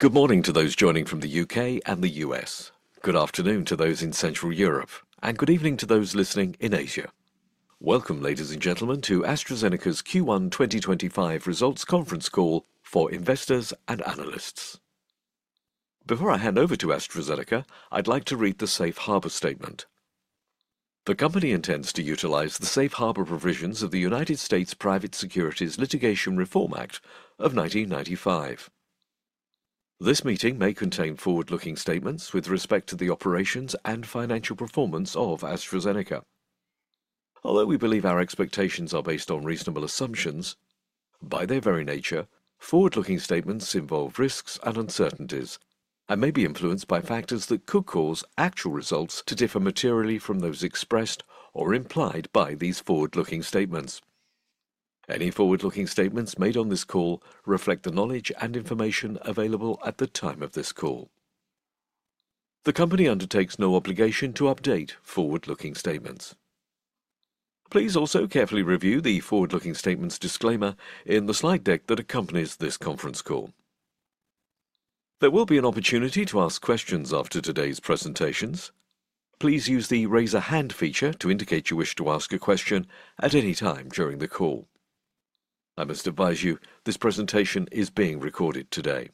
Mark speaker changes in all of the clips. Speaker 1: Good morning to those joining from the U.K. and the U.S., good afternoon to those in Central Europe, and good evening to those listening in Asia. Welcome, ladies and gentlemen, to AstraZeneca's Q1 2025 Results Conference Call for Investors and Analysts. Before I hand over to AstraZeneca, I'd like to read the Safe Harbor Statement. The company intends to utilize the Safe Harbor provisions of the United States Private Securities Litigation Reform Act of 1995. This meeting may contain forward-looking statements with respect to the operations and financial performance of AstraZeneca. Although we believe our expectations are based on reasonable assumptions, by their very nature, forward-looking statements involve risks and uncertainties and may be influenced by factors that could cause actual results to differ materially from those expressed or implied by these forward-looking statements. Any forward-looking statements made on this call reflect the knowledge and information available at the time of this call. The company undertakes no obligation to update forward-looking statements. Please also carefully review the forward-looking statements disclaimer in the slide deck that accompanies this conference call. There will be an opportunity to ask questions after today's presentations. Please use the raise-a-hand feature to indicate you wish to ask a question at any time during the call. I must advise you this presentation is being recorded today.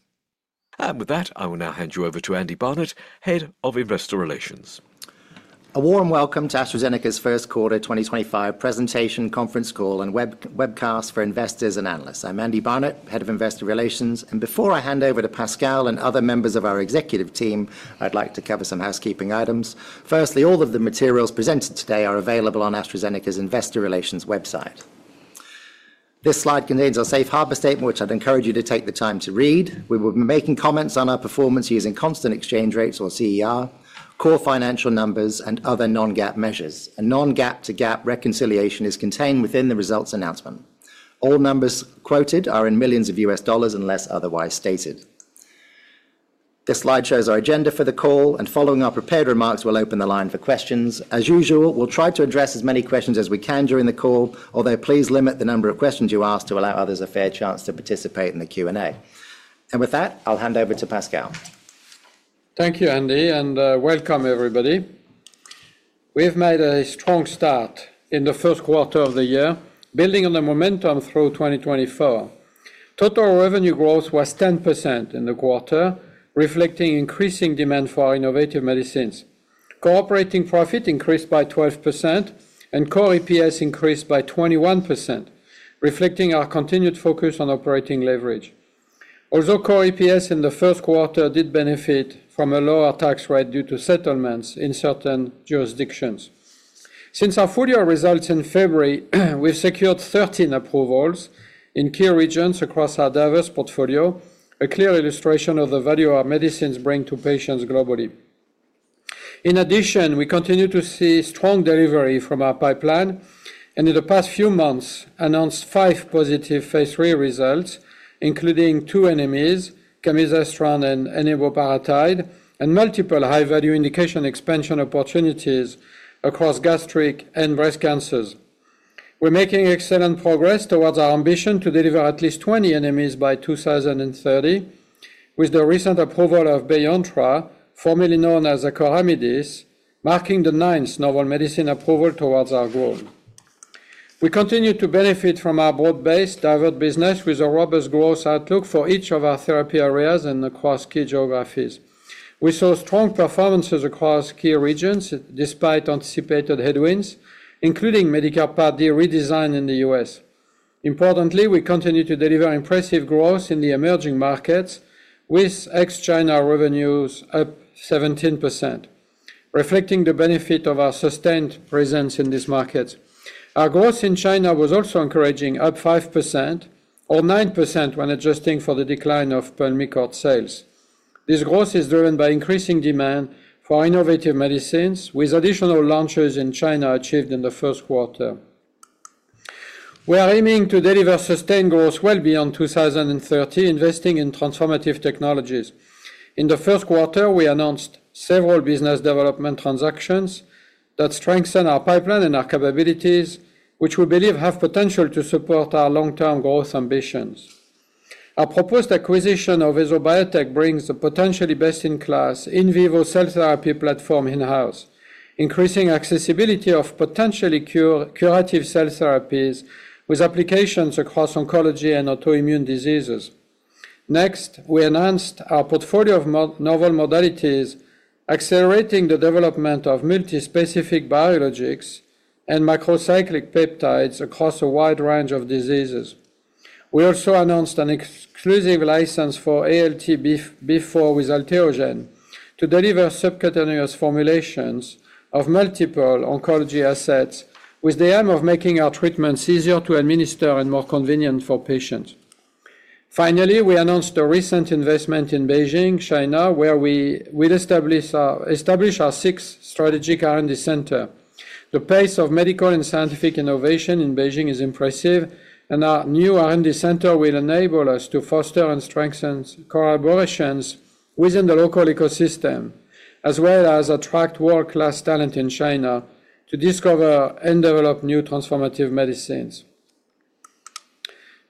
Speaker 1: With that, I will now hand you over to Andy Barnett, Head of Investor Relations.
Speaker 2: A warm welcome to AstraZeneca's First Quarter 2025 Presentation Conference Call and Webcast for Investors and Analysts. I'm Andy Barnett, Head of Investor Relations, and before I hand over to Pascal and other members of our executive team, I'd like to cover some housekeeping items. Firstly, all of the materials presented today are available on AstraZeneca's Investor Relations website. This slide contains our Safe Harbor Statement, which I'd encourage you to take the time to read. We will be making comments on our performance using constant exchange rates or CER, core financial numbers, and other non-GAAP measures. A non-GAAP to GAAP reconciliation is contained within the results announcement. All numbers quoted are in millions of U.S. dollars unless otherwise stated. This slide shows our agenda for the call, and following our prepared remarks, we'll open the line for questions. As usual, we'll try to address as many questions as we can during the call, although please limit the number of questions you ask to allow others a fair chance to participate in the Q&A. With that, I'll hand over to Pascal.
Speaker 3: Thank you, Andy, and welcome, everybody. We've made a strong start in the first quarter of the year, building on the momentum through 2024. Total revenue growth was 10% in the quarter, reflecting increasing demand for our innovative medicines. Operating profit increased by 12%, and core EPS increased by 21%, reflecting our continued focus on operating leverage. Although core EPS in the first quarter did benefit from a lower tax rate due to settlements in certain jurisdictions. Since our full year results in February, we've secured 13 approvals in key regions across our diverse portfolio, a clear illustration of the value our medicines bring to patients globally. In addition, we continue to see strong delivery from our pipeline, and in the past few months, announced five positive phase III results, including two NMEs, camizestrant and eniboparatide, and multiple high-value indication expansion opportunities across gastric and breast cancers. We're making excellent progress towards our ambition to deliver at least 20 NMEs by 2030, with the recent approval of Beyontra, formerly known as acoramidis, marking the ninth novel medicine approval towards our goal. We continue to benefit from our broad-based diverse business with a robust growth outlook for each of our therapy areas and across key geographies. We saw strong performances across key regions despite anticipated headwinds, including Medicare Part D redesign in the U.S. Importantly, we continue to deliver impressive growth in the emerging markets, with ex-China revenues up 17%, reflecting the benefit of our sustained presence in these markets. Our growth in China was also encouraging, up 5% or 9% when adjusting for the decline of PULMICORT sales. This growth is driven by increasing demand for innovative medicines, with additional launches in China achieved in the first quarter. We are aiming to deliver sustained growth well beyond 2030, investing in transformative technologies. In the first quarter, we announced several business development transactions that strengthen our pipeline and our capabilities, which we believe have potential to support our long-term growth ambitions. Our proposed acquisition of EsoBiotec brings the potentially best-in-class in vivo cell therapy platform in-house, increasing accessibility of potentially curative cell therapies with applications across oncology and autoimmune diseases. Next, we announced our portfolio of novel modalities, accelerating the development of multispecific biologics and macrocyclic peptides across a wide range of diseases. We also announced an exclusive license for ALT-B4 with Alteogen to deliver subcutaneous formulations of multiple oncology assets, with the aim of making our treatments easier to administer and more convenient for patients. Finally, we announced a recent investment in Beijing, China, where we will establish our sixth strategic R&D center. The pace of medical and scientific innovation in Beijing is impressive, and our new R&D center will enable us to foster and strengthen collaborations within the local ecosystem, as well as attract world-class talent in China to discover and develop new transformative medicines.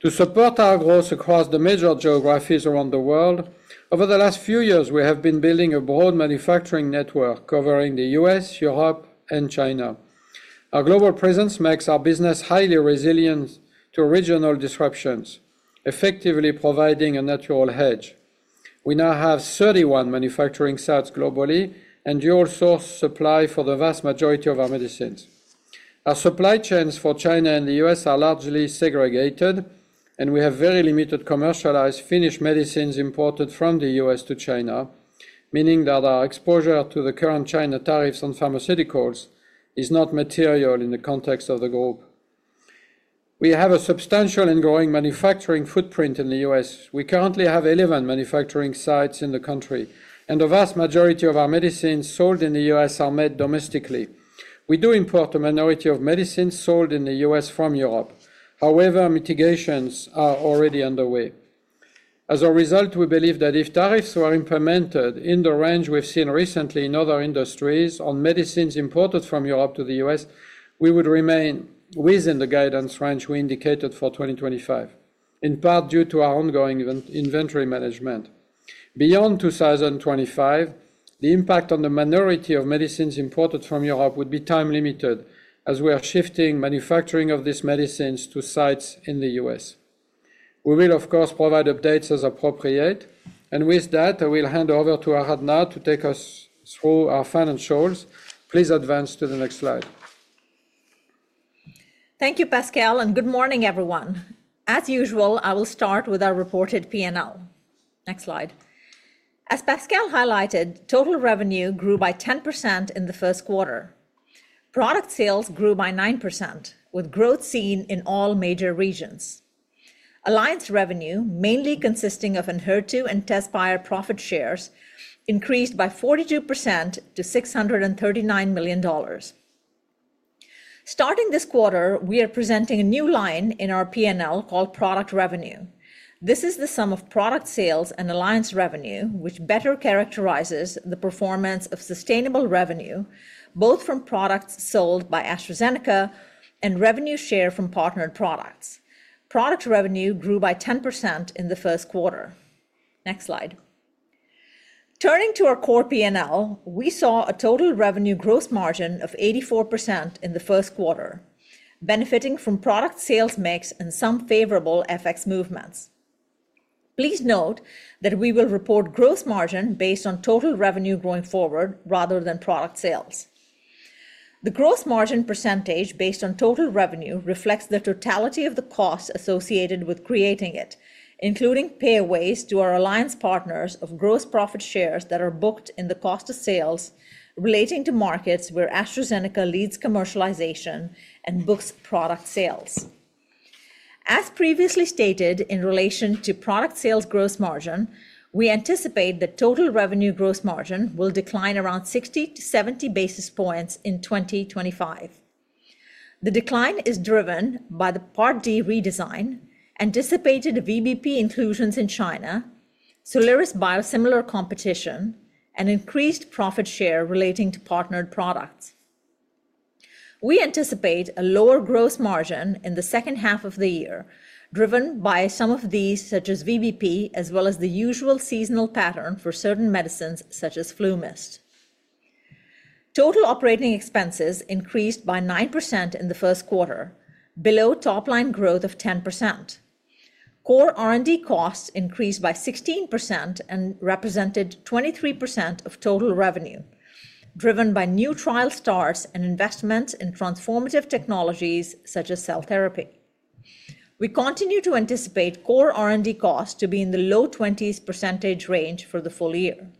Speaker 3: To support our growth across the major geographies around the world, over the last few years, we have been building a broad manufacturing network covering the U.S., Europe, and China. Our global presence makes our business highly resilient to regional disruptions, effectively providing a natural hedge. We now have 31 manufacturing sites globally and dual-source supply for the vast majority of our medicines. Our supply chains for China and the U.S. are largely segregated, and we have very limited commercialized finished medicines imported from the U.S. to China, meaning that our exposure to the current China tariffs on pharmaceuticals is not material in the context of the group. We have a substantial and growing manufacturing footprint in the U.S. We currently have 11 manufacturing sites in the country, and the vast majority of our medicines sold in the U.S. are made domestically. We do import a minority of medicines sold in the U.S. from Europe. However, mitigations are already underway. As a result, we believe that if tariffs were implemented in the range we've seen recently in other industries on medicines imported from Europe to the U.S., we would remain within the guidance range we indicated for 2025, in part due to our ongoing inventory management. Beyond 2025, the impact on the minority of medicines imported from Europe would be time-limited, as we are shifting manufacturing of these medicines to sites in the U.S. We will, of course, provide updates as appropriate, and with that, I will hand over to Aradhana to take us through our financials. Please advance to the next slide.
Speaker 4: Thank you, Pascal, and good morning, everyone. As usual, I will start with our reported P&L. Next slide. As Pascal highlighted, total revenue grew by 10% in the first quarter. Product sales grew by 9%, with growth seen in all major regions. Alliance revenue, mainly consisting of ENHERTU and TEZSPIRE profit shares, increased by 42% to $639 million. Starting this quarter, we are presenting a new line in our P&L called Product Revenue. This is the sum of product sales and Alliance revenue, which better characterizes the performance of sustainable revenue, both from products sold by AstraZeneca and revenue share from partnered products. Product revenue grew by 10% in the first quarter. Next slide. Turning to our core P&L, we saw a total revenue gross margin of 84% in the first quarter, benefiting from product sales mix and some favorable FX movements. Please note that we will report gross margin based on total revenue going forward rather than product sales. The gross margin percentage based on total revenue reflects the totality of the cost associated with creating it, including payaways to our Alliance partners of gross profit shares that are booked in the cost of sales relating to markets where AstraZeneca leads commercialization and books product sales. As previously stated in relation to product sales gross margin, we anticipate that total revenue gross margin will decline around 60 to 70 basis points in 2025. The decline is driven by the Part D redesign, anticipated VBP inclusions in China, Soliris biosimilar competition, and increased profit share relating to partnered products. We anticipate a lower gross margin in the second half of the year, driven by some of these such as VBP, as well as the usual seasonal pattern for certain medicines such as FLUMIST. Total operating expenses increased by 9% in the first quarter, below top-line growth of 10%. Core R&D costs increased by 16% and represented 23% of total revenue, driven by new trial starts and investments in transformative technologies such as cell therapy. We continue to anticipate core R&D costs to be in the low 20% range for the full year.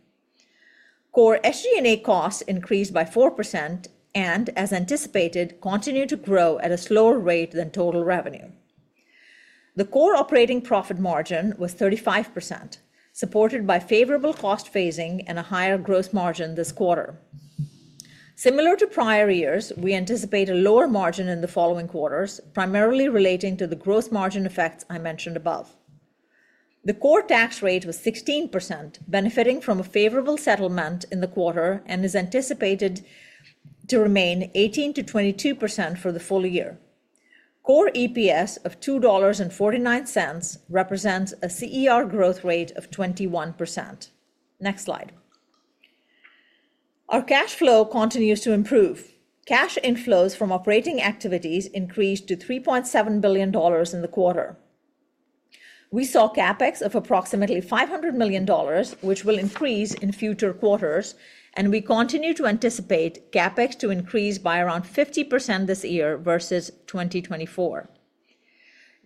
Speaker 4: Core SG&A costs increased by 4% and, as anticipated, continue to grow at a slower rate than total revenue. The core operating profit margin was 35%, supported by favorable cost phasing and a higher gross margin this quarter. Similar to prior years, we anticipate a lower margin in the following quarters, primarily relating to the gross margin effects I mentioned above. The core tax rate was 16%, benefiting from a favorable settlement in the quarter and is anticipated to remain 18%-22% for the full year. Core EPS of $2.49 represents a CER growth rate of 21%. Next slide. Our cash flow continues to improve. Cash inflows from operating activities increased to $3.7 billion in the quarter. We saw CapEx of approximately $500 million, which will increase in future quarters, and we continue to anticipate CapEx to increase by around 50% this year versus 2024.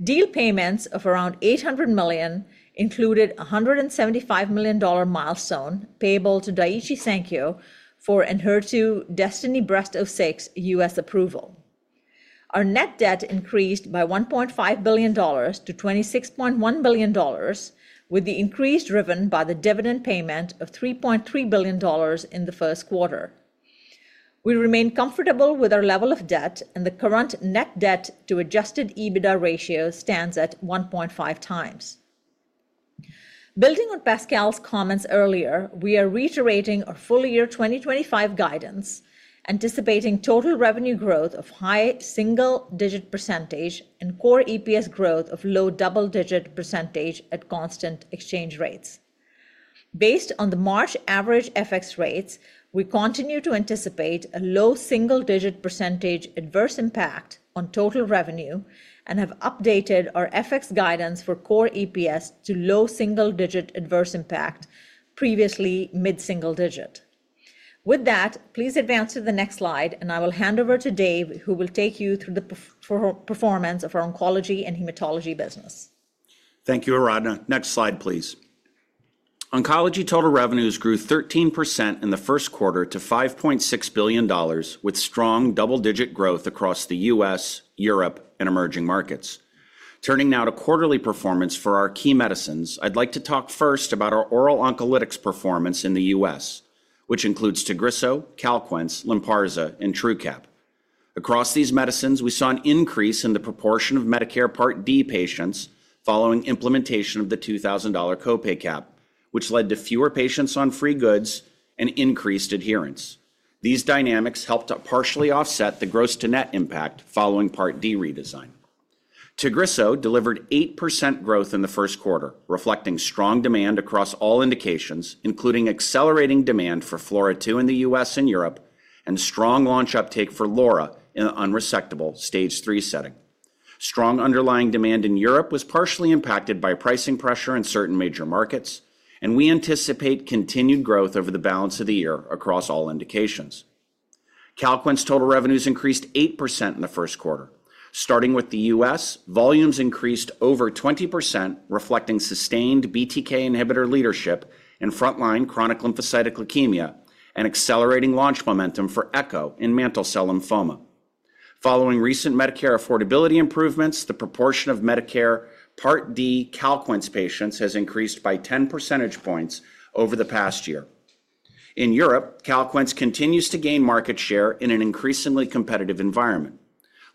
Speaker 4: Deal payments of around $800 million included a $175 million milestone payable to Daiichi Sankyo for ENHERTU DESTINY Breast 06 U.S. approval. Our net debt increased by $1.5 billion to $26.1 billion, with the increase driven by the dividend payment of $3.3 billion in the first quarter. We remain comfortable with our level of debt, and the current net debt to Adjusted EBITDA ratio stands at 1.5 times. Building on Pascal's comments earlier, we are reiterating our full year 2025 guidance, anticipating total revenue growth of high single-digit % and core EPS growth of low double-digit % at constant exchange rates. Based on the March average FX rates, we continue to anticipate a low single-digit % adverse impact on total revenue and have updated our FX guidance for core EPS to low single-digit adverse impact, previously mid-single digit. With that, please advance to the next slide, and I will hand over to Dave, who will take you through the performance of our oncology and hematology business.
Speaker 5: Thank you, Aradhana. Next slide, please. Oncology total revenues grew 13% in the first quarter to $5.6 billion, with strong double-digit growth across the U.S., Europe, and emerging markets. Turning now to quarterly performance for our key medicines, I'd like to talk first about our oral oncolytics performance in the U.S., which includes TAGRISSO, CALQUENCE, LYNPARZA, and TRUQAP. Across these medicines, we saw an increase in the proportion of Medicare Part D patients following implementation of the $2,000 copay cap, which led to fewer patients on free goods and increased adherence. These dynamics helped partially offset the gross-to-net impact following Part D redesign. TAGRISSO delivered 8% growth in the first quarter, reflecting strong demand across all indications, including accelerating demand for FLAURA2 in the U.S. and Europe and strong launch uptake for LAURA in the unresectable stage three setting. Strong underlying demand in Europe was partially impacted by pricing pressure in certain major markets, and we anticipate continued growth over the balance of the year across all indications. CALQUENCE total revenues increased 8% in the first quarter. Starting with the U.S., volumes increased over 20%, reflecting sustained BTK inhibitor leadership in frontline chronic lymphocytic leukemia and accelerating launch momentum for ECHO in mantle cell lymphoma. Following recent Medicare affordability improvements, the proportion of Medicare Part D CALQUENCE patients has increased by 10 percentage points over the past year. In Europe, CALQUENCE continues to gain market share in an increasingly competitive environment.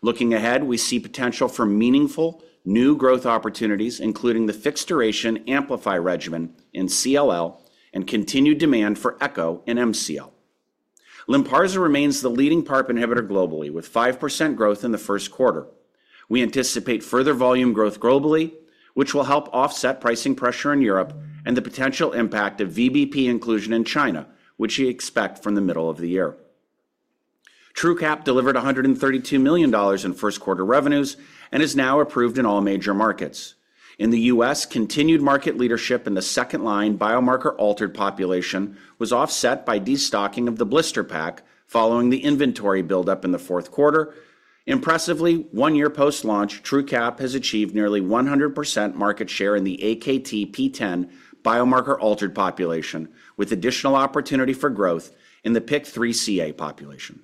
Speaker 5: Looking ahead, we see potential for meaningful new growth opportunities, including the fixed-duration Amplify regimen in CLL and continued demand for ECHO in MCL. LYNPARZA remains the leading PARP inhibitor globally, with 5% growth in the first quarter. We anticipate further volume growth globally, which will help offset pricing pressure in Europe and the potential impact of VBP inclusion in China, which we expect from the middle of the year. TRUQAP delivered $132 million in first-quarter revenues and is now approved in all major markets. In the U.S., continued market leadership in the second-line biomarker-altered population was offset by destocking of the blister pack following the inventory build-up in the fourth quarter. Impressively, one year post-launch, TRUQAP has achieved nearly 100% market share in the AKT P10 biomarker-altered population, with additional opportunity for growth in the PIK3CA population.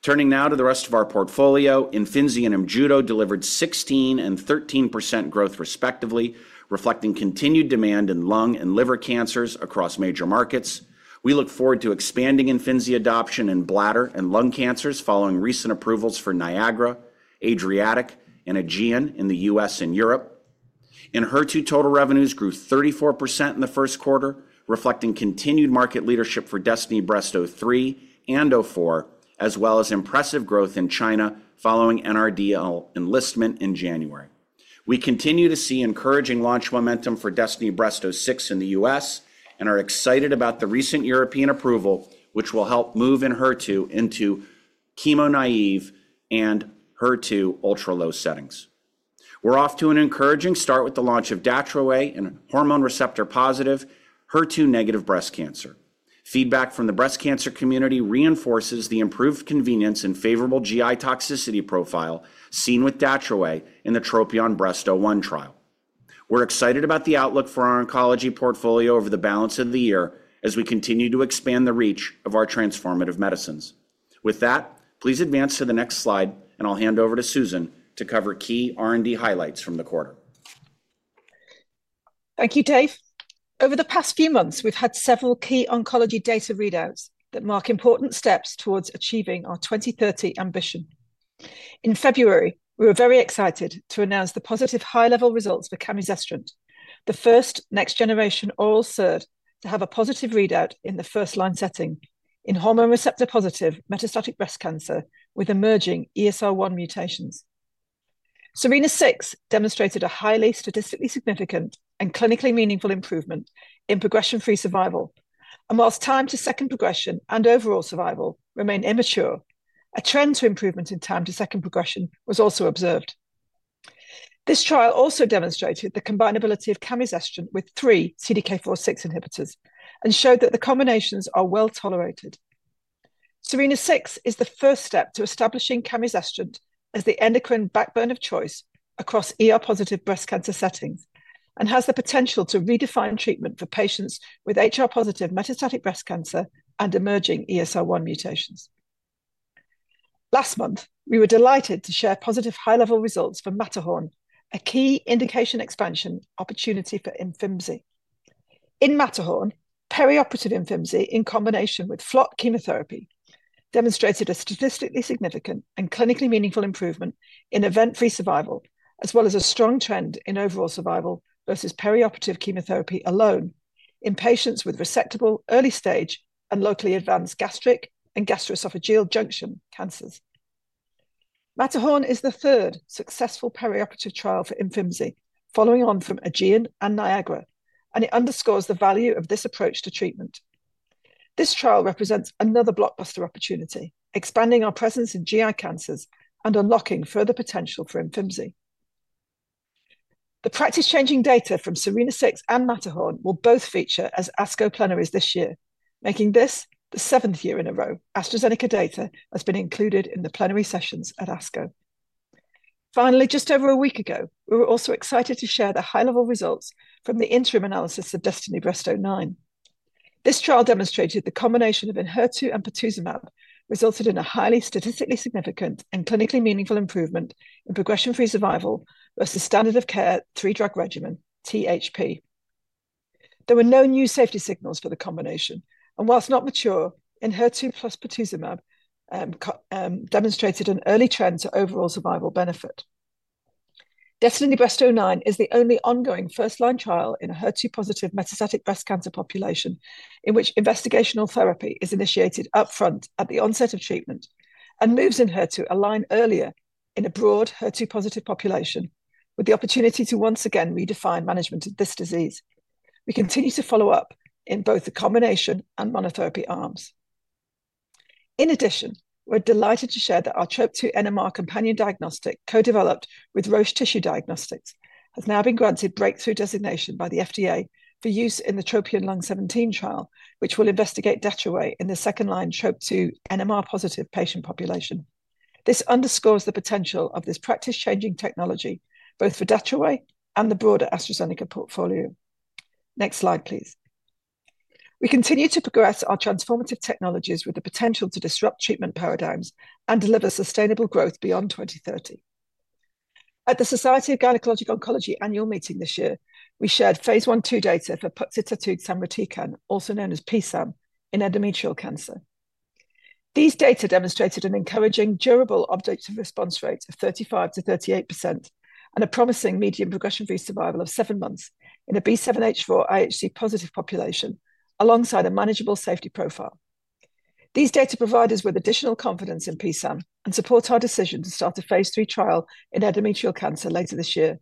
Speaker 5: Turning now to the rest of our portfolio, Imfinzi and Imjudo delivered 16% and 13% growth respectively, reflecting continued demand in lung and liver cancers across major markets. We look forward to expanding Imfinzi adoption in bladder and lung cancers following recent approvals for NIAGARA, ADRIATIC, and AEGEAN in the U.S. and Europe. ENHERTU total revenues grew 34% in the first quarter, reflecting continued market leadership for DESTINY-Breast03 and 04, as well as impressive growth in China following NRDL enlistment in January. We continue to see encouraging launch momentum for DESTINY-Breast06 in the U.S. and are excited about the recent European approval, which will help move ENHERTU into chemo-naive and HER2 ultra-low settings. We're off to an encouraging start with the launch of Datopotamab deruxtecan in hormone receptor-positive, HER2 negative breast cancer. Feedback from the breast cancer community reinforces the improved convenience and favorable GI toxicity profile seen with Datopotamab deruxtecan in the TROPION-Breast01 trial. We're excited about the outlook for our oncology portfolio over the balance of the year as we continue to expand the reach of our transformative medicines. With that, please advance to the next slide, and I'll hand over to Susan to cover key R&D highlights from the quarter.
Speaker 6: Thank you, Dave. Over the past few months, we've had several key oncology data readouts that mark important steps towards achieving our 2030 ambition. In February, we were very excited to announce the positive high-level results for Camizestrant, the first next-generation oral SERD to have a positive readout in the first-line setting in hormone receptor-positive metastatic breast cancer with emerging ESR1 mutations. SERENA-6 demonstrated a highly statistically significant and clinically meaningful improvement in progression-free survival. Whilst time to second progression and overall survival remain immature, a trend to improvement in time to second progression was also observed. This trial also demonstrated the combinability of Camizestrant with three CDK4/6 inhibitors and showed that the combinations are well tolerated. Serena 6 is the first step to establishing camizestrant as the endocrine backbone of choice across ER-positive breast cancer settings and has the potential to redefine treatment for patients with HR-positive metastatic breast cancer and emerging ESR1 mutations. Last month, we were delighted to share positive high-level results for MATTERHORN, a key indication expansion opportunity for Imfinzi. In MATTERHORN, perioperative Imfinzi in combination with FLOT chemotherapy demonstrated a statistically significant and clinically meaningful improvement in event-free survival, as well as a strong trend in overall survival versus perioperative chemotherapy alone in patients with resectable, early-stage, and locally advanced gastric and gastroesophageal junction cancers. MATTERHORN is the third successful perioperative trial for Imfinzi, following on from AEGEAN and NIAGARA, and it underscores the value of this approach to treatment. This trial represents another blockbuster opportunity, expanding our presence in GI cancers and unlocking further potential for Imfinzi. The practice-changing data from SERENA-6 and MATTERHORN will both feature as ASCO plenaries this year, making this the seventh year in a row AstraZeneca data has been included in the plenary sessions at ASCO. Finally, just over a week ago, we were also excited to share the high-level results from the interim analysis of DESTINY-Breast09. This trial demonstrated the combination of ENHERTU and patritumab resulted in a highly statistically significant and clinically meaningful improvement in progression-free survival versus standard of care three-drug regimen, THP. There were no new safety signals for the combination, and whilst not mature, ENHERTU plus patritumab demonstrated an early trend to overall survival benefit. DESTINY-Breast09 is the only ongoing first-line trial in a HER2-positive metastatic breast cancer population in which investigational therapy is initiated upfront at the onset of treatment and moves in HER2 aligned earlier in a broad HER2-positive population, with the opportunity to once again redefine management of this disease. We continue to follow up in both the combination and monotherapy arms. In addition, we're delighted to share that our Trop2 NTR companion diagnostic, co-developed with Roche Tissue Diagnostics, has now been granted breakthrough designation by the FDA for use in the TROPION-Lung17 trial, which will investigate Datopotamab deruxtecan in the second-line Trop2 NTR-positive patient population. This underscores the potential of this practice-changing technology both for Datopotamab deruxtecan and the broader AstraZeneca portfolio. Next slide, please. We continue to progress our transformative technologies with the potential to disrupt treatment paradigms and deliver sustainable growth beyond 2030. At the Society of Gynecologic Oncology annual meeting this year, we shared phase I two data for Puxitotug samratikan, also known as PSAM, in endometrial cancer. These data demonstrated an encouraging, durable objective response rate of 35%-38% and a promising median progression-free survival of seven months in a B7H4 IHC-positive population, alongside a manageable safety profile. These data provide us with additional confidence in PSAM and support our decision to start a phase III trial in endometrial cancer later this year.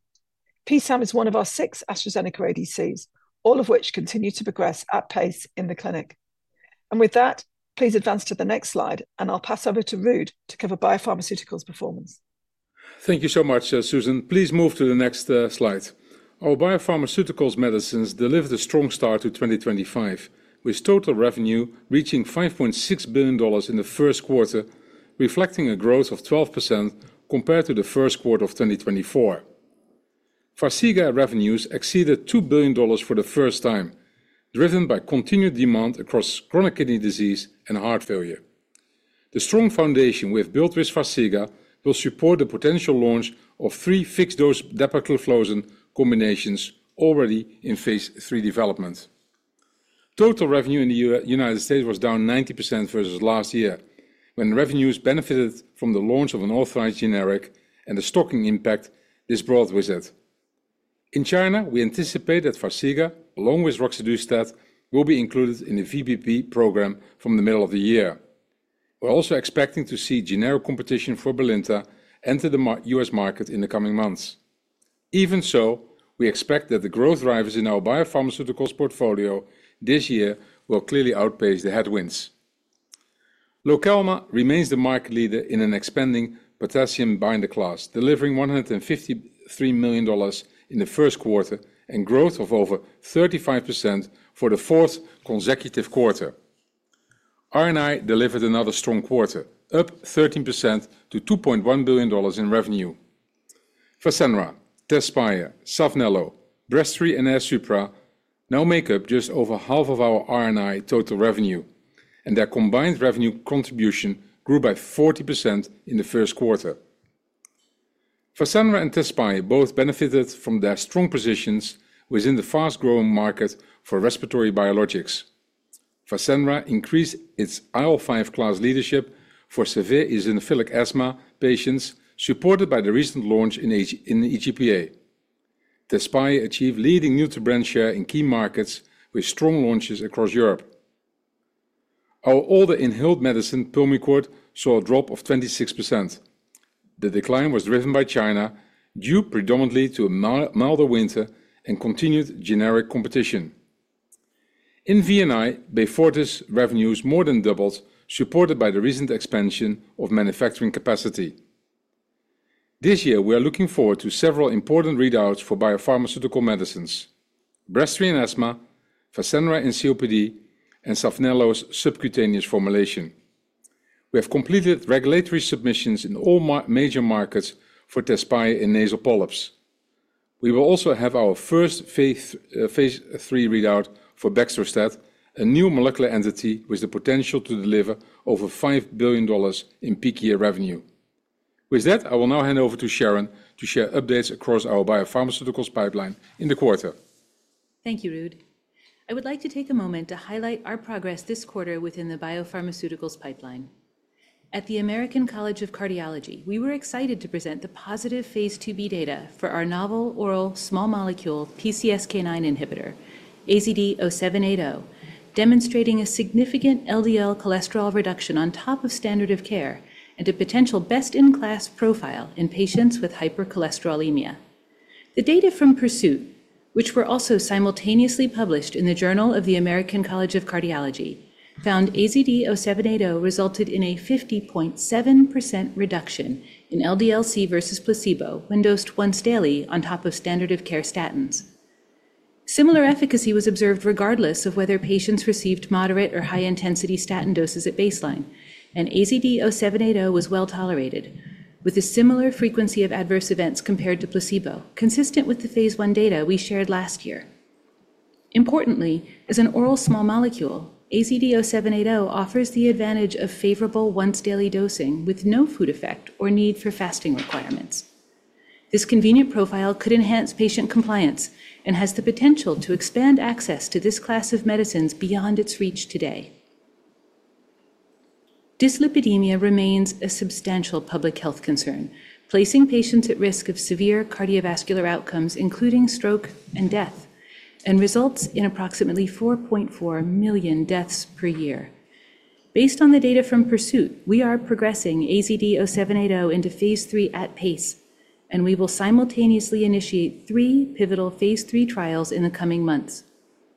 Speaker 6: PSAM is one of our six AstraZeneca ADCs, all of which continue to progress at pace in the clinic. Please advance to the next slide, and I'll pass over to Ruud to cover biopharmaceuticals performance.
Speaker 7: Thank you so much, Susan. Please move to the next slide. Our biopharmaceuticals medicines delivered a strong start to 2025, with total revenue reaching $5.6 billion in the first quarter, reflecting a growth of 12% compared to the first quarter of 2024. Farxiga revenues exceeded $2 billion for the first time, driven by continued demand across chronic kidney disease and heart failure. The strong foundation we've built with Farxiga will support the potential launch of three fixed-dose Depo-Cefalozin combinations already in phase III development. Total revenue in the U.S. was down 90% versus last year, when revenues benefited from the launch of an authorized generic and the stocking impact this brought with it. In China, we anticipate that Farxiga, along with roxadustat, will be included in the VBP program from the middle of the year. We're also expecting to see generic competition for Brilinta enter the U.S. market in the coming months. Even so, we expect that the growth drivers in our biopharmaceuticals portfolio this year will clearly outpace the headwinds. Lokelma remains the market leader in an expanding potassium binder class, delivering $153 million in the first quarter and growth of over 35% for the fourth consecutive quarter. R&I delivered another strong quarter, up 13% to $2.1 billion in revenue. Fasenra, TEZSPIRE, Saphnelo, Breztri, and Airsupra now make up just over half of our R&I total revenue, and their combined revenue contribution grew by 40% in the first quarter. Fasenra and TEZSPIRE both benefited from their strong positions within the fast-growing market for respiratory biologics. Fasenra increased its IL-5 class leadership for severe eosinophilic asthma patients, supported by the recent launch in EGPA. TEZSPIRE achieved leading neutral brand share in key markets with strong launches across Europe. Our older inhaled medicine, PULMICORT, saw a drop of 26%. The decline was driven by China due predominantly to a milder winter and continued generic competition. In VNI, Beyfortus revenues more than doubled, supported by the recent expansion of manufacturing capacity. This year, we are looking forward to several important readouts for biopharmaceutical medicines: Breast 3 and asthma, Fasenra in COPD, and Savnello's subcutaneous formulation. We have completed regulatory submissions in all major markets for TEZSPIRE in nasal polyps. We will also have our first phase III readout for Baxdrostat, a new molecular entity with the potential to deliver over $5 billion in peak year revenue. With that, I will now hand over to Sharon to share updates across our biopharmaceuticals pipeline in the quarter.
Speaker 8: Thank you, Ruud. I would like to take a moment to highlight our progress this quarter within the biopharmaceuticals pipeline. At the American College of Cardiology, we were excited to present the positive phase 2B data for our novel oral small molecule PCSK9 inhibitor, AZD0780, demonstrating a significant LDL cholesterol reduction on top of standard of care and a potential best-in-class profile in patients with hypercholesterolemia. The data from Pursuit, which were also simultaneously published in the Journal of the American College of Cardiology, found AZD0780 resulted in a 50.7% reduction in LDL-C versus placebo when dosed once daily on top of standard of care statins. Similar efficacy was observed regardless of whether patients received moderate or high-intensity statin doses at baseline, and AZD0780 was well tolerated, with a similar frequency of adverse events compared to placebo, consistent with the phase I data we shared last year. Importantly, as an oral small molecule, AZD0780 offers the advantage of favorable once-daily dosing with no food effect or need for fasting requirements. This convenient profile could enhance patient compliance and has the potential to expand access to this class of medicines beyond its reach today. Dyslipidemia remains a substantial public health concern, placing patients at risk of severe cardiovascular outcomes, including stroke and death, and results in approximately 4.4 million deaths per year. Based on the data from Pursuit, we are progressing AZD0780 into phase III at pace, and we will simultaneously initiate three pivotal phase III trials in the coming months.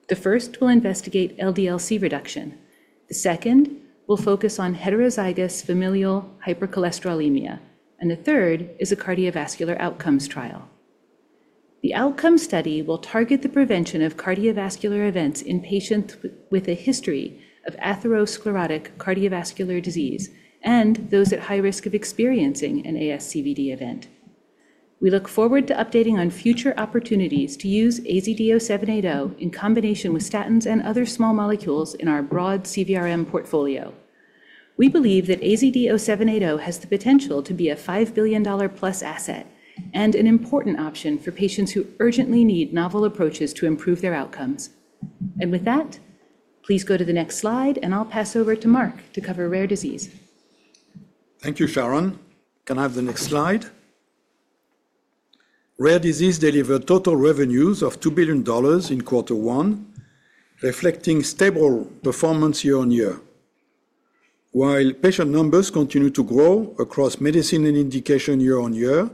Speaker 8: The first will investigate LDL-C reduction. The second will focus on heterozygous familial hypercholesterolemia, and the third is a cardiovascular outcomes trial. The outcome study will target the prevention of cardiovascular events in patients with a history of atherosclerotic cardiovascular disease and those at high risk of experiencing an ASCVD event. We look forward to updating on future opportunities to use AZD0780 in combination with statins and other small molecules in our broad CVRM portfolio. We believe that AZD0780 has the potential to be a $5 billion-plus asset and an important option for patients who urgently need novel approaches to improve their outcomes. Please go to the next slide, and I'll pass over to Mark to cover rare disease.
Speaker 9: Thank you, Sharon. Can I have the next slide? Rare disease delivered total revenues of $2 billion in quarter one, reflecting stable performance year on year. While patient numbers continue to grow across medicine and indication year on year,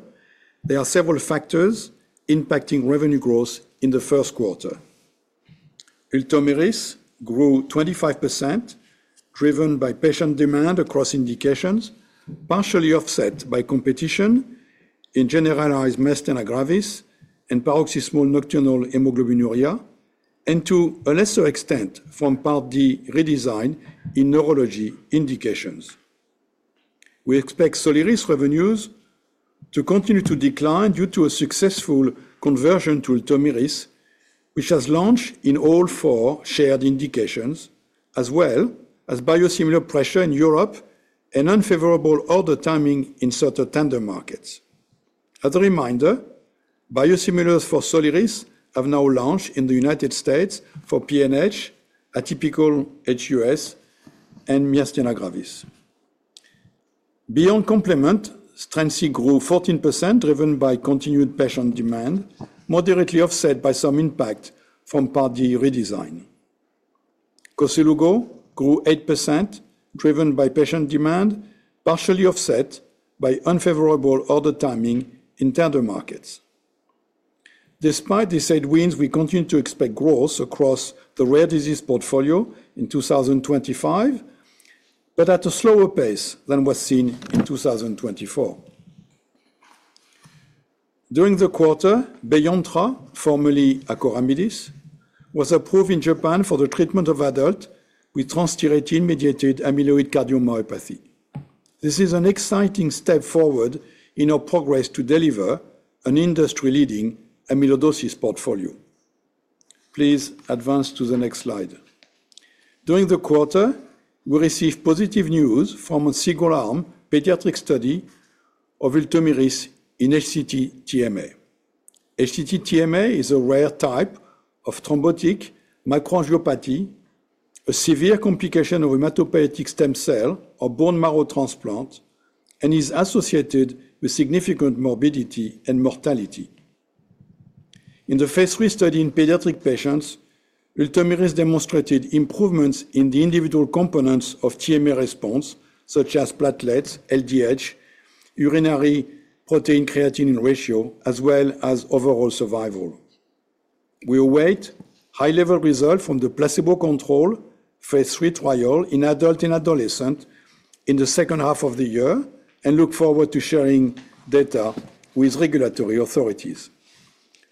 Speaker 9: there are several factors impacting revenue growth in the first quarter. ULTOMIRIS grew 25%, driven by patient demand across indications, partially offset by competition in generalized myasthenia gravis and paroxysmal nocturnal hemoglobinuria, and to a lesser extent from Part D redesign in neurology indications. We expect Soliris revenues to continue to decline due to a successful conversion to ULTOMIRIS, which has launched in all four shared indications, as well as biosimilar pressure in Europe and unfavorable order timing in certain tender markets. As a reminder, biosimilars for Soliris have now launched in the U.S. for PNH, atypical HUS, and myasthenia gravis. Beyond complement, Strensiq grew 14%, driven by continued patient demand, moderately offset by some impact from Part D redesign. Koselugo grew 8%, driven by patient demand, partially offset by unfavorable order timing in tender markets. Despite the side winds, we continue to expect growth across the rare disease portfolio in 2025, but at a slower pace than was seen in 2024. During the quarter, Beyontra, formerly acoramidis, was approved in Japan for the treatment of adults with transthyretin-mediated amyloid cardiomyopathy. This is an exciting step forward in our progress to deliver an industry-leading amyloidosis portfolio. Please advance to the next slide. During the quarter, we received positive news from a single-arm pediatric study of ULTOMIRIS in HCT-TMA. HCT-TMA is a rare type of thrombotic microangiopathy, a severe complication of hematopoietic stem cell or bone marrow transplant, and is associated with significant morbidity and mortality. In the phase III study in pediatric patients, ULTOMIRIS demonstrated improvements in the individual components of TMA response, such as platelets, LDH, urinary protein-creatinine ratio, as well as overall survival. We await high-level results from the placebo-controlled phase III trial in adults and adolescents in the second half of the year and look forward to sharing data with regulatory authorities.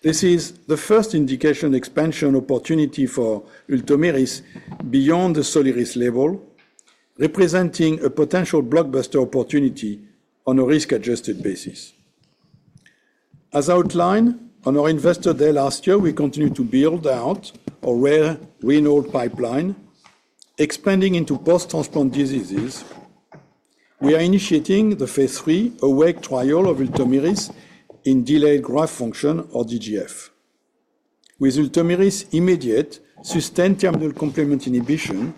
Speaker 9: This is the first indication expansion opportunity for ULTOMIRIS beyond the Soliris label, representing a potential blockbuster opportunity on a risk-adjusted basis. As outlined on our investor day last year, we continue to build out our rare renal pipeline, expanding into post-transplant diseases. We are initiating the phase III AWAKE trial of ULTOMIRIS in delayed graft function, or DGF. With ULTOMIRIS' immediate sustained thermo-complement inhibition,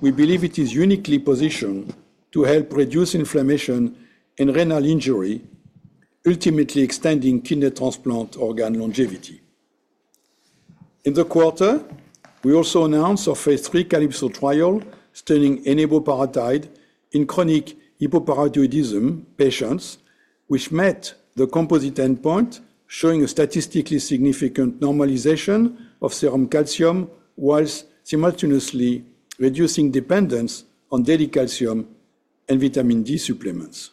Speaker 9: we believe it is uniquely positioned to help reduce inflammation and renal injury, ultimately extending kidney transplant organ longevity. In the quarter, we also announced our phase III calypsotriol sterling eniboparatide in chronic hypoparathyroidism patients, which met the composite endpoint, showing a statistically significant normalization of serum calcium whilst simultaneously reducing dependence on daily calcium and vitamin D supplements.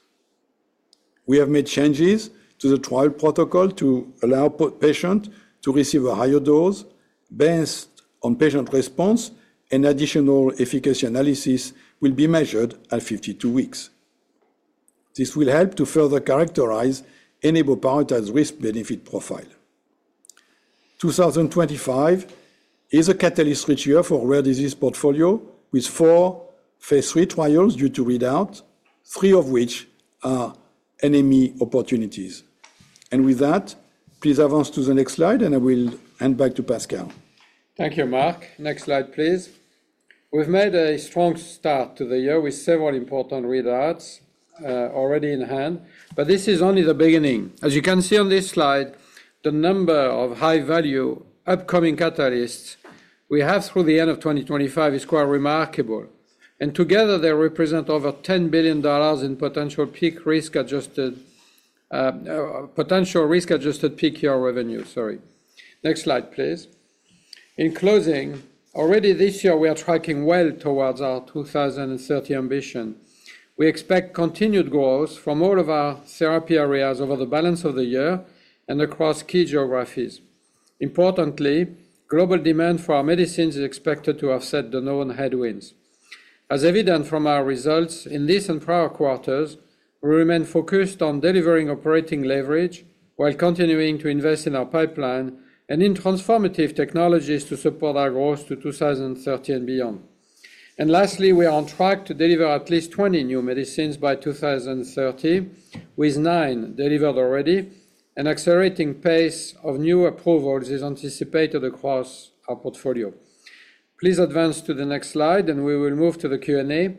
Speaker 9: We have made changes to the trial protocol to allow patients to receive a higher dose based on patient response, and additional efficacy analysis will be measured at 52 weeks. This will help to further characterize eniboparatide's risk-benefit profile. 2025 is a catalyst-rich year for rare disease portfolio, with four phase III trials due to readouts, three of which are NME opportunities. With that, please advance to the next slide, and I will hand back to Pascal.
Speaker 3: Thank you, Mark. Next slide, please. We've made a strong start to the year with several important readouts already in hand, but this is only the beginning. As you can see on this slide, the number of high-value upcoming catalysts we have through the end of 2025 is quite remarkable. Together, they represent over $10 billion in potential peak risk-adjusted peak year revenue. Sorry. Next slide, please. In closing, already this year, we are tracking well towards our 2030 ambition. We expect continued growth from all of our therapy areas over the balance of the year and across key geographies. Importantly, global demand for our medicines is expected to offset the known headwinds. As evident from our results in this and prior quarters, we remain focused on delivering operating leverage while continuing to invest in our pipeline and in transformative technologies to support our growth to 2030 and beyond. Lastly, we are on track to deliver at least 20 new medicines by 2030, with nine delivered already, and an accelerating pace of new approvals is anticipated across our portfolio. Please advance to the next slide, and we will move to the Q&A.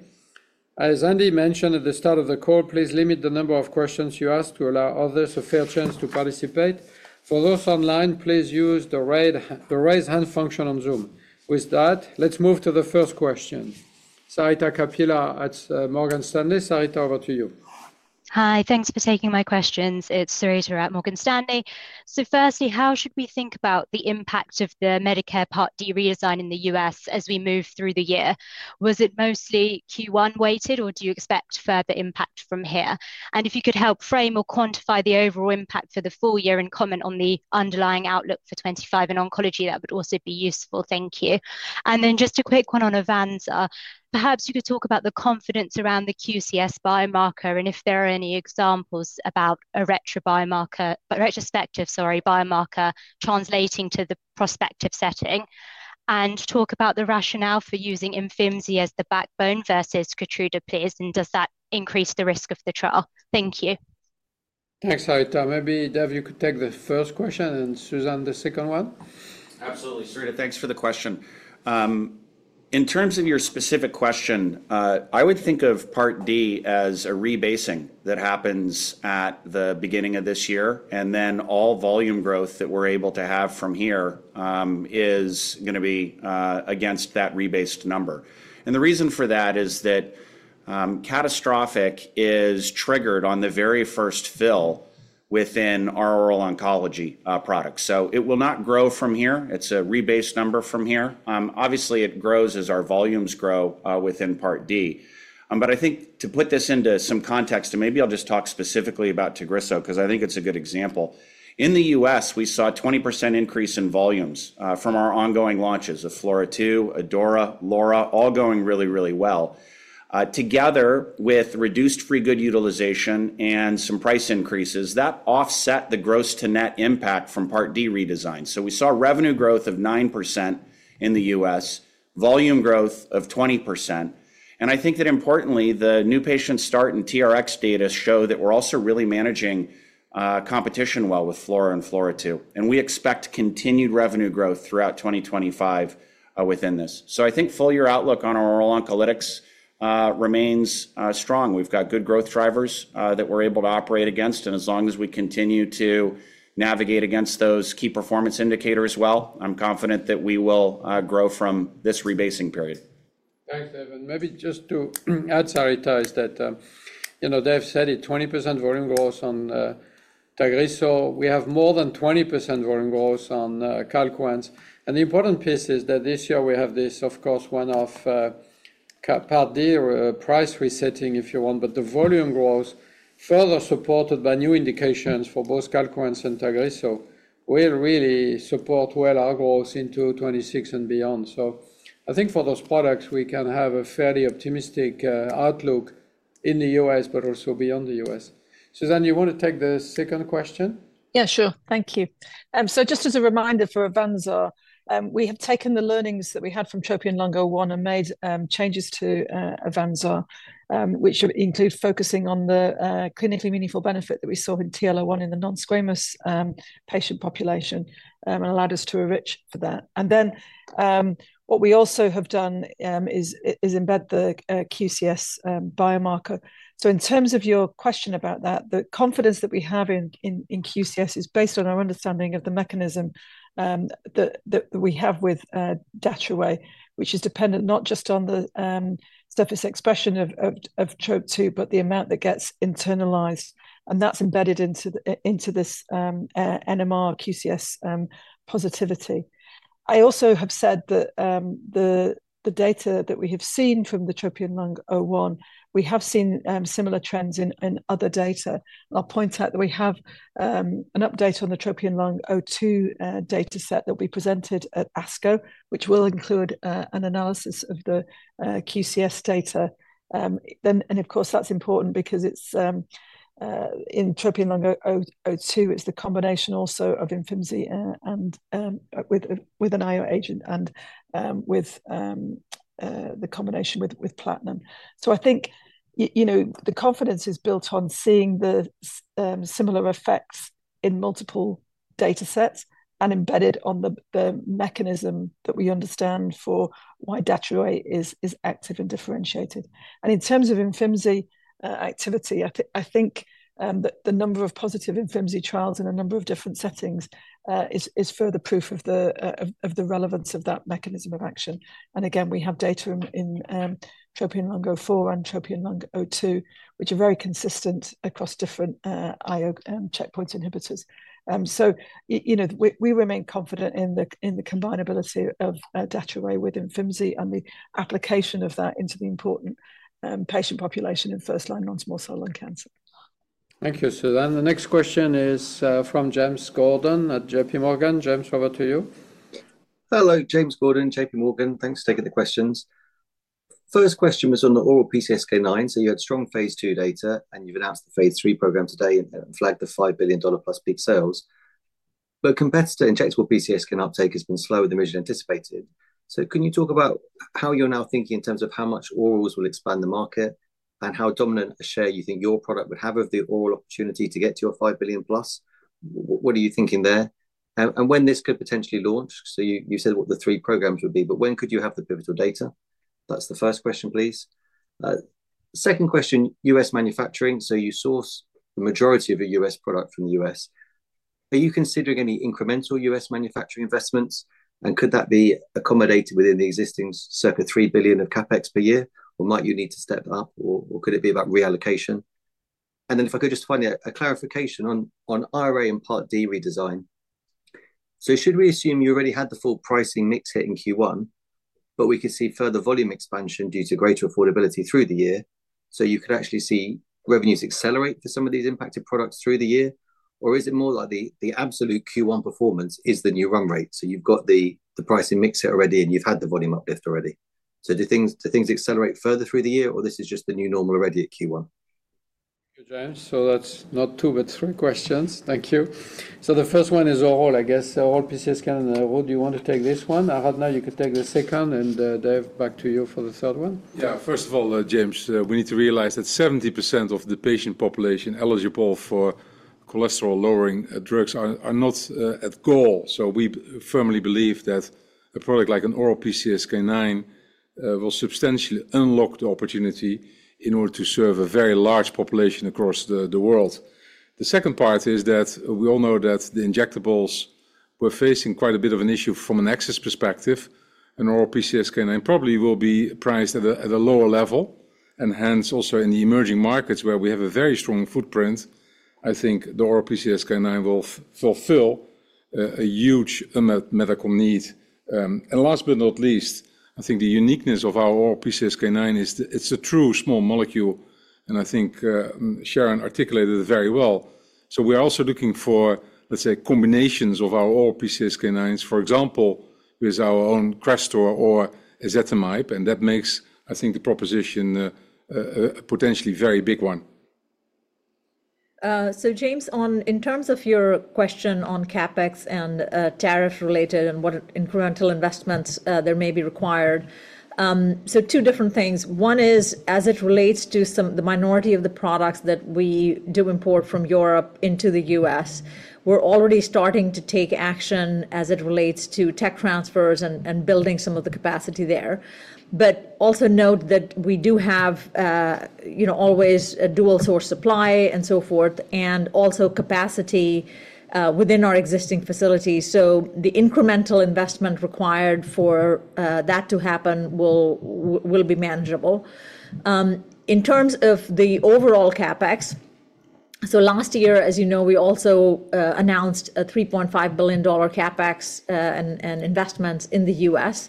Speaker 3: As Andy mentioned at the start of the call, please limit the number of questions you ask to allow others a fair chance to participate. For those online, please use the raise hand function on Zoom. With that, let's move to the first question. Sarita Kapila at Morgan Stanley. Sarita, over to you.
Speaker 10: Hi. Thanks for taking my questions. It's Sarita at Morgan Stanley. Firstly, how should we think about the impact of the Medicare Part D redesign in the U.S. as we move through the year? Was it mostly Q1-weighted, or do you expect further impact from here? If you could help frame or quantify the overall impact for the full year and comment on the underlying outlook for 2025 in oncology, that would also be useful. Thank you. Just a quick one on Avanza. Perhaps you could talk about the confidence around the QCS biomarker and if there are any examples about a retrospective, sorry, biomarker translating to the prospective setting, and talk about the rationale for using Imfinzi as the backbone versus Keytruda, please, and does that increase the risk of the trial? Thank you.
Speaker 3: Thanks, Sarita. Maybe Dave, you could take the first question and Susan, the second one.
Speaker 5: Absolutely. Sarita, thanks for the question. In terms of your specific question, I would think of Part D as a rebasing that happens at the beginning of this year, and then all volume growth that we're able to have from here is going to be against that rebased number. The reason for that is that catastrophic is triggered on the very first fill within our oral oncology products. It will not grow from here. It's a rebased number from here. Obviously, it grows as our volumes grow within Part D. I think to put this into some context, and maybe I'll just talk specifically about TAGRISSO because I think it's a good example. In the U.S., we saw a 20% increase in volumes from our ongoing launches of FLAURA2, ADAURA, LAURA, all going really, really well. Together with reduced free good utilization and some price increases, that offset the gross-to-net impact from Part D redesign. We saw revenue growth of 9% in the U.S., volume growth of 20%. I think that importantly, the new patient start and TRX data show that we're also really managing competition well with FLAURA and FLAURA2. We expect continued revenue growth throughout 2025 within this. I think full year outlook on our oral oncolytics remains strong. We've got good growth drivers that we're able to operate against, and as long as we continue to navigate against those key performance indicators well, I'm confident that we will grow from this rebasing period.
Speaker 3: Thanks, Evan. Maybe just to add, Sarita, is that Dave said it, 20% volume growth on TAGRISSO. We have more than 20% volume growth on CALQUENCE. The important piece is that this year we have this, of course, one-off Part D or price resetting, if you want, but the volume growth, further supported by new indications for both CALQUENCE and TAGRISSO, will really support well our growth into 2026 and beyond. I think for those products, we can have a fairly optimistic outlook in the U.S., but also beyond the U.S. Susan, you want to take the second question?
Speaker 6: Yeah, sure. Thank you. Just as a reminder for Avanza, we have taken the learnings that we had from TROPION-Lung01 and made changes to Avanza, which include focusing on the clinically meaningful benefit that we saw in TLL1 in the non-squamous patient population and allowed us to enrich for that. What we also have done is embed the QCS biomarker. In terms of your question about that, the confidence that we have in QCS is based on our understanding of the mechanism that we have with Datopotamab deruxtecan, which is dependent not just on the surface expression of Trop2, but the amount that gets internalized. That is embedded into this NMR QCS positivity. I also have said that the data that we have seen from the TROPION-Lung01, we have seen similar trends in other data. I'll point out that we have an update on the TROPION-Lung02 dataset that we presented at ASCO, which will include an analysis of the QCS data. Of course, that's important because in TROPION-Lung02, it's the combination also of Imfinzi with an IO agent and with the combination with platinum. I think the confidence is built on seeing the similar effects in multiple datasets and embedded on the mechanism that we understand for why Datopotamab deruxtecan is active and differentiated. In terms of Imfinzi activity, I think the number of positive Imfinzi trials in a number of different settings is further proof of the relevance of that mechanism of action. Again, we have data in TROPION-Lung04 and TROPION-Lung02, which are very consistent across different IO checkpoint inhibitors. We remain confident in the combinability of Datopotamab deruxtecan with Imfinzi and the application of that into the important patient population in first-line non-small cell lung cancer.
Speaker 3: Thank you, Susan. The next question is from James Gordon at JPMorgan. James, over to you.
Speaker 11: Hello, James Gordon, JPMorgan. Thanks for taking the questions. First question was on the oral PCSK9. You had strong phase II data, and you've announced the phase III program today and flagged the $5 billion plus peak sales. Competitor injectable PCSK9 uptake has been slower than originally anticipated. Can you talk about how you're now thinking in terms of how much orals will expand the market and how dominant a share you think your product would have of the oral opportunity to get to your $5 billion plus? What are you thinking there? When this could potentially launch? You said what the three programs would be, but when could you have the pivotal data? That's the first question, please. Second question, U.S. manufacturing. You source the majority of your U.S. product from the U.S. Are you considering any incremental U.S. manufacturing investments, and could that be accommodated within the existing circa $3 billion of CapEx per year, or might you need to step up, or could it be about reallocation? If I could just find a clarification on IRA and Part D redesign. Should we assume you already had the full pricing mix hit in Q1, but we could see further volume expansion due to greater affordability through the year, so you could actually see revenues accelerate for some of these impacted products through the year, or is it more like the absolute Q1 performance is the new run rate? You have got the pricing mix set already, and you have had the volume uplift already. Do things accelerate further through the year, or is this just the new normal already at Q1?
Speaker 3: Good, James. That's not two, but three questions. Thank you. The first one is oral, I guess. Oral PCSK9 and IRA, do you want to take this one? Aradhana, you could take the second, and Dave, back to you for the third one.
Speaker 7: Yeah. First of all, James, we need to realize that 70% of the patient population eligible for cholesterol-lowering drugs are not at goal. We firmly believe that a product like an oral PCSK9 will substantially unlock the opportunity in order to serve a very large population across the world. The second part is that we all know that the injectables were facing quite a bit of an issue from an access perspective. An oral PCSK9 probably will be priced at a lower level, and hence also in the emerging markets where we have a very strong footprint, I think the oral PCSK9 will fulfill a huge medical need. Last but not least, I think the uniqueness of our oral PCSK9 is it's a true small molecule, and I think Sharon articulated it very well. We're also looking for, let's say, combinations of our oral PCSK9s, for example, with our own Crestor or Ezetimibe, and that makes, I think, the proposition a potentially very big one.
Speaker 4: James, in terms of your question on CapEx and tariff-related and what incremental investments there may be required, two different things. One is, as it relates to the minority of the products that we do import from Europe into the U.S., we're already starting to take action as it relates to tech transfers and building some of the capacity there. Also note that we do have always a dual-source supply and so forth, and also capacity within our existing facilities. The incremental investment required for that to happen will be manageable. In terms of the overall CapEx, last year, as you know, we also announced a $3.5 billion CapEx and investments in the U.S.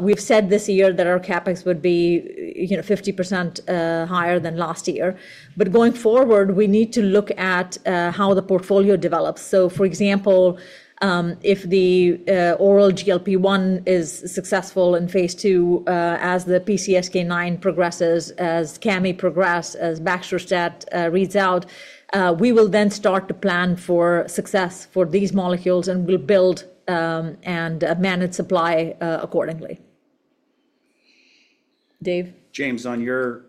Speaker 4: We've said this year that our CapEx would be 50% higher than last year. Going forward, we need to look at how the portfolio develops. For example, if the oral GLP-1 is successful in phase II as the PCSK9 progresses, as Cami progresses, as Baxdrostat reads out, we will then start to plan for success for these molecules and will build and manage supply accordingly. Dave?
Speaker 5: James, on your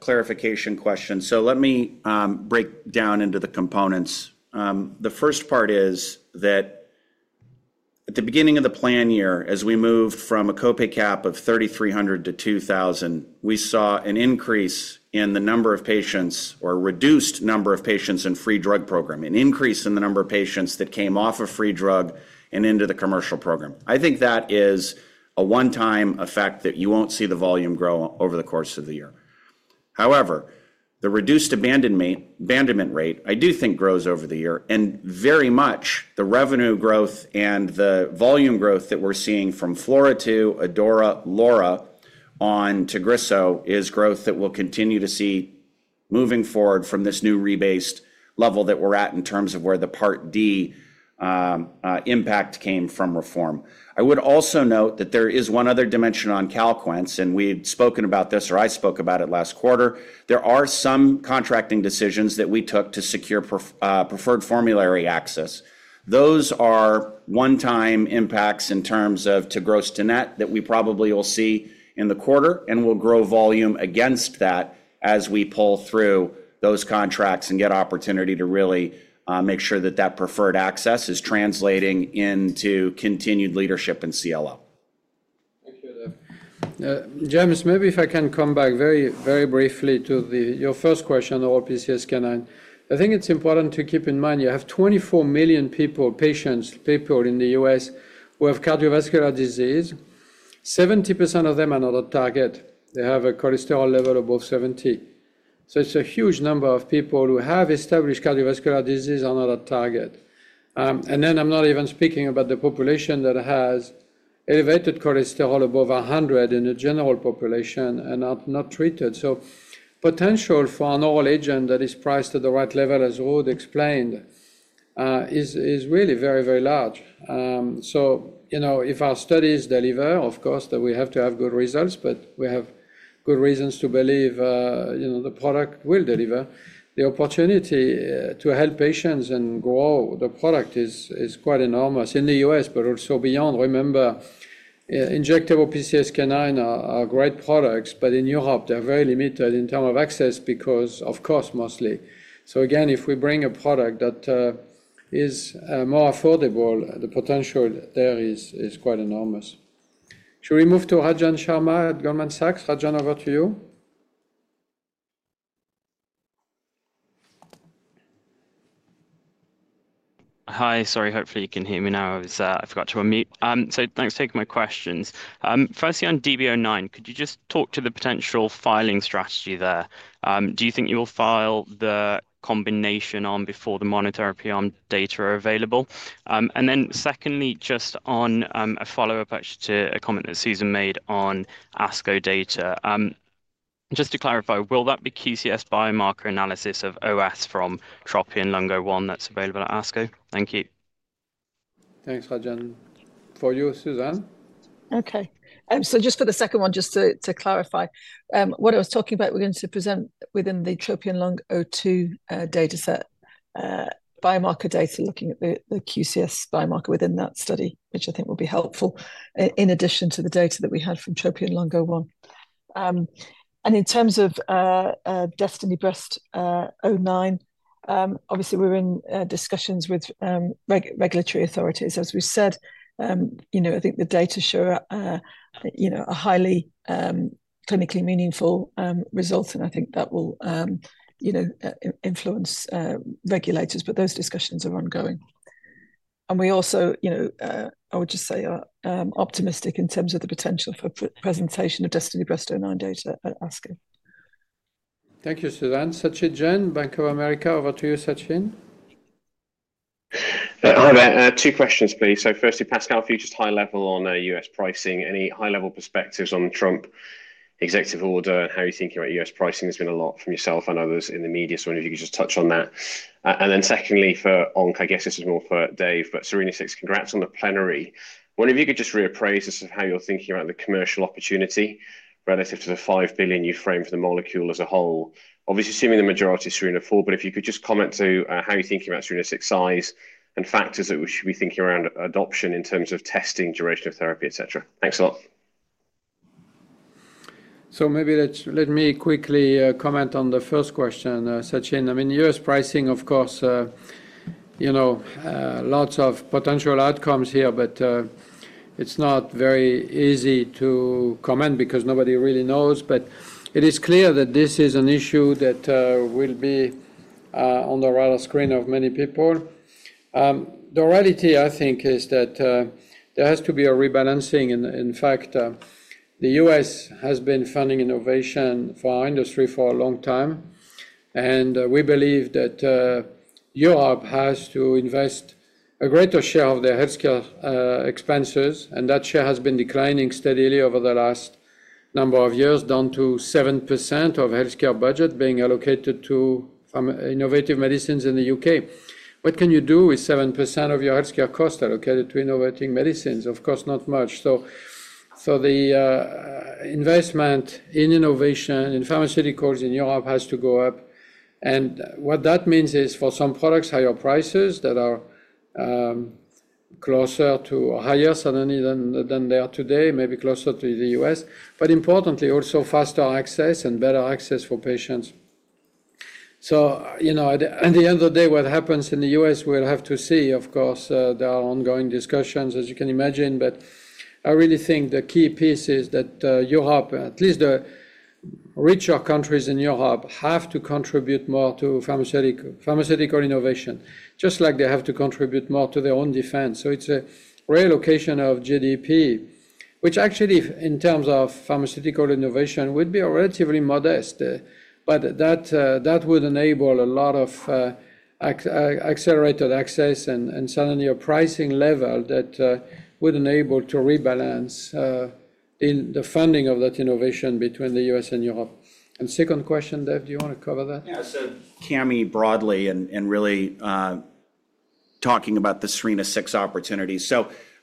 Speaker 5: clarification question, let me break down into the components. The first part is that at the beginning of the plan year, as we moved from a copay cap of $3,300-$2,000, we saw an increase in the number of patients or a reduced number of patients in free drug program, an increase in the number of patients that came off of free drug and into the commercial program. I think that is a one-time effect that you will not see the volume grow over the course of the year. However, the reduced abandonment rate I do think grows over the year, and very much the revenue growth and the volume growth that we're seeing from FLAURA2, ADAURA, LAURA on TAGRISSO is growth that we'll continue to see moving forward from this new rebased level that we're at in terms of where the Part D impact came from reform. I would also note that there is one other dimension on CALQUENCE, and we had spoken about this, or I spoke about it last quarter. There are some contracting decisions that we took to secure preferred formulary access. Those are one-time impacts in terms of to gross to net that we probably will see in the quarter and will grow volume against that as we pull through those contracts and get opportunity to really make sure that that preferred access is translating into continued leadership in CLL.
Speaker 3: Thank you, Dave. James, maybe if I can come back very briefly to your first question, oral PCSK9. I think it's important to keep in mind you have 24 million patients in the U.S. who have cardiovascular disease. 70% of them are not at target. They have a cholesterol level above 70. It is a huge number of people who have established cardiovascular disease and are not at target. I am not even speaking about the population that has elevated cholesterol above 100 in the general population and are not treated. The potential for an oral agent that is priced at the right level, as Ruud explained, is really very, very large. If our studies deliver, of course, we have to have good results, but we have good reasons to believe the product will deliver. The opportunity to help patients and grow the product is quite enormous in the U.S., but also beyond. Remember, injectable PCSK9 are great products, but in Europe, they're very limited in terms of access because, of course, mostly. If we bring a product that is more affordable, the potential there is quite enormoU.S. Should we move to Rajan Sharma at Goldman Sachs? Rajan, over to you.
Speaker 12: Hi, sorry. Hopefully, you can hear me now. I forgot to unmute. Thanks for taking my questions. Firstly, on DB09, could you just talk to the potential filing strategy there? Do you think you will file the combination on before the monotherapy data are available? Secondly, just on a follow-up actually to a comment that Susan made on ASCO data, just to clarify, will that be QCS biomarker analysis of OS from TROPION-Lung01 that's available at ASCO? Thank you.
Speaker 3: Thanks, Rajan. For you, Susan?
Speaker 6: Okay. Just for the second one, just to clarify, what I was talking about, we're going to present within the TROPION-Lung02 dataset biomarker data, looking at the QCS biomarker within that study, which I think will be helpful in addition to the data that we had from TROPION-Lung01. In terms of DESTINY-Breast09, obviously, we're in discussions with regulatory authorities. As we said, I think the data show a highly clinically meaningful result, and I think that will influence regulators, but those discussions are ongoing. I would just say we are optimistic in terms of the potential for presentation of DESTINY-Breast09 data at ASCO.
Speaker 3: Thank you, Susan. Sachin Jain, Bank of America, over to you, Sachin.
Speaker 13: Hi, there. Two questions, please. Firstly, Pascal, if you just high level on U.S. pricing, any high-level perspectives on Trump executive order and how you're thinking about U.S. pricing? There's been a lot from yourself and others in the media. If you could just touch on that. Secondly, for ONC, I guess this is more for Dave, but SERENA says, "Congrats on the plenary." I wonder if you could just reappraise us of how you're thinking about the commercial opportunity relative to the $5 billion you framed for the molecule as a whole, obviously assuming the majority is SERENA Ford, but if you could just comment to how you're thinking about SERENA's size and factors that we should be thinking around adoption in terms of testing, duration of therapy, etc. Thanks a lot.
Speaker 3: Maybe let me quickly comment on the first question, Sachin. I mean, U.S. pricing, of course, lots of potential outcomes here, but it's not very easy to comment because nobody really knows. It is clear that this is an issue that will be on the radar screen of many people. The reality, I think, is that there has to be a rebalancing. In fact, the U.S. has been funding innovation for our industry for a long time, and we believe that Europe has to invest a greater share of their healthcare expenses, and that share has been declining steadily over the last number of years, down to 7% of healthcare budget being allocated to innovative medicines in the U.K. What can you do with 7% of your healthcare cost allocated to innovating medicines? Of course, not much. The investment in innovation in pharmaceuticals in Europe has to go up. What that means is for some products, higher prices that are closer to or higher suddenly than they are today, maybe closer to the U.S., but importantly, also faster access and better access for patients. At the end of the day, what happens in the U.S., we'll have to see. Of course, there are ongoing discussions, as you can imagine, but I really think the key piece is that Europe, at least the richer countries in Europe, have to contribute more to pharmaceutical innovation, just like they have to contribute more to their own defense. It's a real location of GDP, which actually, in terms of pharmaceutical innovation, would be relatively modest, but that would enable a lot of accelerated access and suddenly a pricing level that would enable to rebalance the funding of that innovation between the U.S. and Europe. Second question, Dave, do you want to cover that?
Speaker 5: Yeah. Cami broadly and really talking about the SERENA-6 opportunity.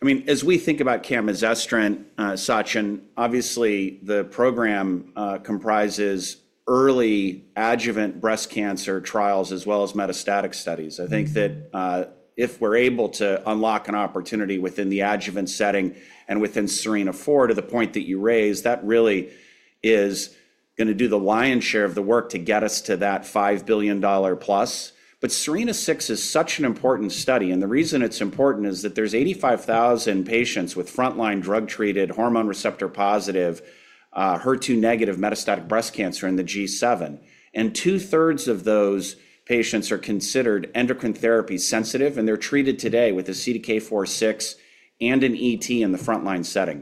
Speaker 5: I mean, as we think about camizestrant, Sachin, obviously, the program comprises early adjuvant breast cancer trials as well as metastatic studies. I think that if we're able to unlock an opportunity within the adjuvant setting and within SERENA 4 to the point that you raised, that really is going to do the lion's share of the work to get us to that $5 billion plU.S. SERENA-6 is such an important study, and the reason it's important is that there's 85,000 patients with frontline drug-treated hormone receptor positive, HER2 negative metastatic breast cancer in the G7, and two-thirds of those patients are considered endocrine therapy sensitive, and they're treated today with a CDK4/6 and an ET in the frontline setting.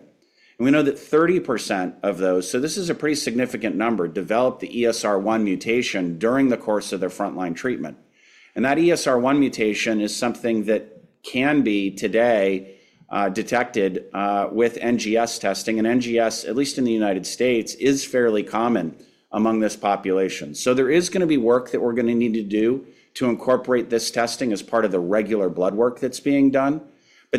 Speaker 5: We know that 30% of those, so this is a pretty significant number, developed the ESR1 mutation during the course of their frontline treatment. That ESR1 mutation is something that can be today detected with NGS testing, and NGS, at least in the U.S., is fairly common among this population. There is going to be work that we're going to need to do to incorporate this testing as part of the regular blood work that's being done.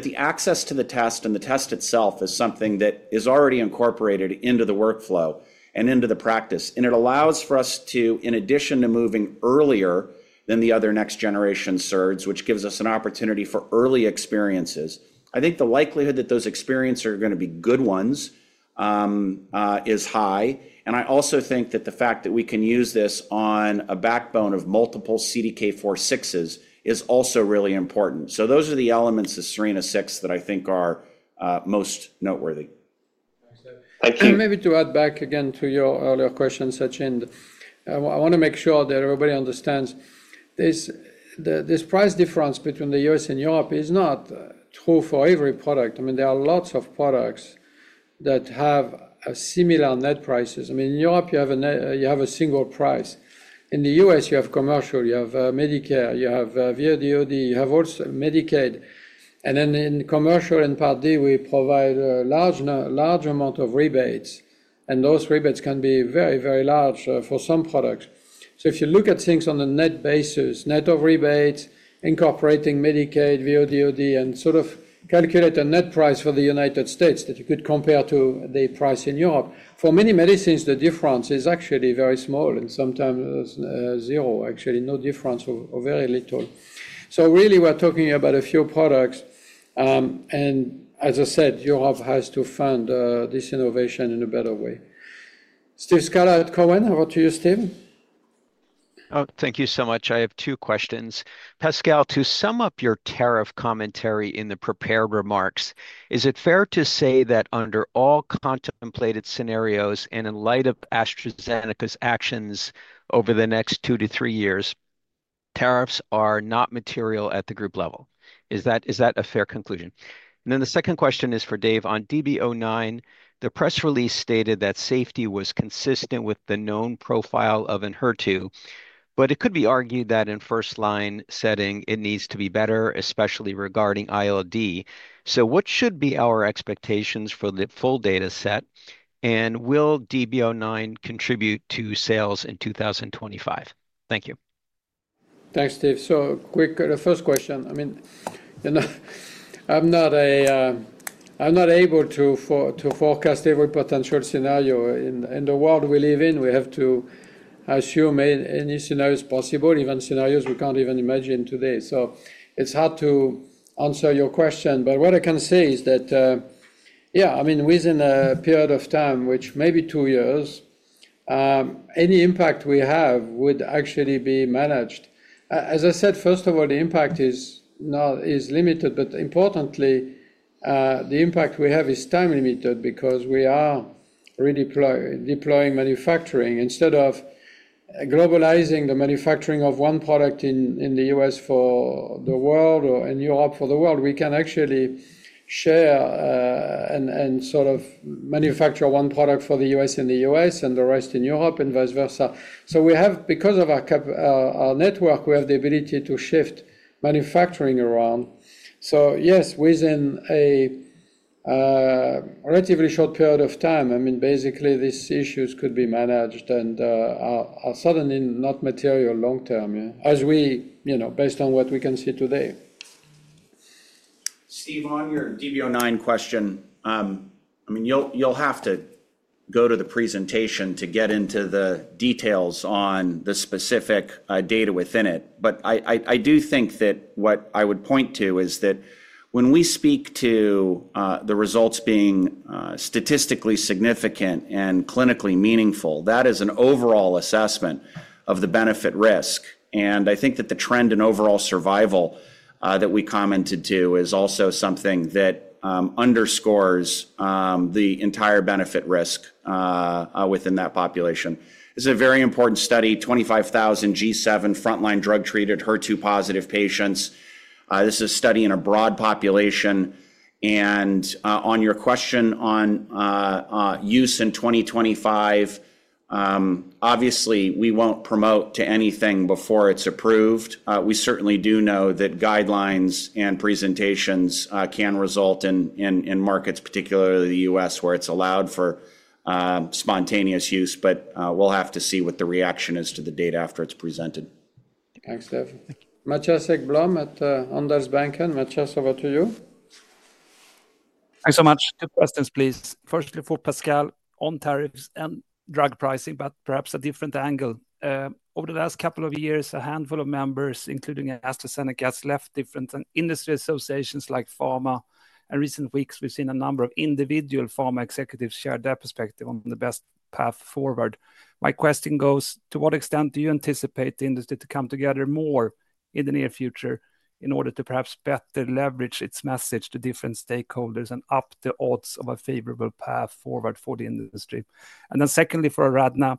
Speaker 5: The access to the test and the test itself is something that is already incorporated into the workflow and into the practice. It allows for us to, in addition to moving earlier than the other next generation SERDs, which gives us an opportunity for early experiences. I think the likelihood that those experiences are going to be good ones is high. I also think that the fact that we can use this on a backbone of multiple CDK4/6s is also really important. Those are the elements of SERENA-6 that I think are most noteworthy.
Speaker 3: Thank you. Maybe to add back again to your earlier question, Sachin, I want to make sure that everybody understands this price difference between the U.S. and Europe is not true for every product. I mean, there are lots of products that have similar net prices. I mean, in Europe, you have a single price. In the U.S., you have commercial, you have Medicare, you have VODOD, you have also Medicaid. In commercial and Part D, we provide a large amount of rebates, and those rebates can be very, very large for some products. If you look at things on a net basis, net of rebates, incorporating Medicaid, VODOD, and sort of calculate a net price for the United States that you could compare to the price in Europe, for many medicines, the difference is actually very small and sometimes zero, actually no difference or very little. We're talking about a few products. As I said, Europe has to fund this innovation in a better way. Steve Scala at Cowen, over to you, Steve.
Speaker 14: Oh, thank you so much. I have two questions. Pascal, to sum up your tariff commentary in the prepared remarks, is it fair to say that under all contemplated scenarios and in light of AstraZeneca's actions over the next two to three years, tariffs are not material at the group level? Is that a fair conclusion? The second question is for Dave. On DB09, the press release stated that safety was consistent with the known profile of an HER2, but it could be argued that in first-line setting, it needs to be better, especially regarding ILD. What should be our expectations for the full dataset, and will DB09 contribute to sales in 2025? Thank you.
Speaker 3: Thanks, Steve. Quick, the first question. I mean, I'm not able to forecast every potential scenario. In the world we live in, we have to assume any scenario is possible, even scenarios we can't even imagine today. It's hard to answer your question, but what I can say is that, yeah, I mean, within a period of time, which may be two years, any impact we have would actually be managed. As I said, first of all, the impact is limited, but importantly, the impact we have is time-limited because we are really deploying manufacturing. Instead of globalizing the manufacturing of one product in the U.S. for the world or in Europe for the world, we can actually share and sort of manufacture one product for the U.S. in the U.S. and the rest in Europe and vice versa. Because of our network, we have the ability to shift manufacturing around. Yes, within a relatively short period of time, I mean, basically, these issues could be managed and are suddenly not material long-term, as we, based on what we can see today.
Speaker 5: Steve, on your DB09 question, I mean, you'll have to go to the presentation to get into the details on the specific data within it. I do think that what I would point to is that when we speak to the results being statistically significant and clinically meaningful, that is an overall assessment of the benefit-risk. I think that the trend in overall survival that we commented to is also something that underscores the entire benefit-risk within that population. This is a very important study, 25,000 G7 frontline drug-treated HER2-positive patients. This is a study in a broad population. On your question on use in 2025, obviously, we won't promote to anything before it's approved. We certainly do know that guidelines and presentations can result in markets, particularly the U.S., where it's allowed for spontaneous use, but we'll have to see what the reaction is to the data after it's presented.
Speaker 3: Thanks, Dave. Mattias Häggblom at Handelsbanken. Mattias, over to you.
Speaker 15: Thanks so much. Two questions, please. Firstly, for Pascal, on tariffs and drug pricing, but perhaps a different angle. Over the last couple of years, a handful of members, including AstraZeneca, have left different industry associations like pharma. In recent weeks, we've seen a number of individual pharma executives share their perspective on the best path forward. My question goes, to what extent do you anticipate the industry to come together more in the near future in order to perhaps better leverage its message to different stakeholders and up the odds of a favorable path forward for the industry? Secondly, for Aradhana,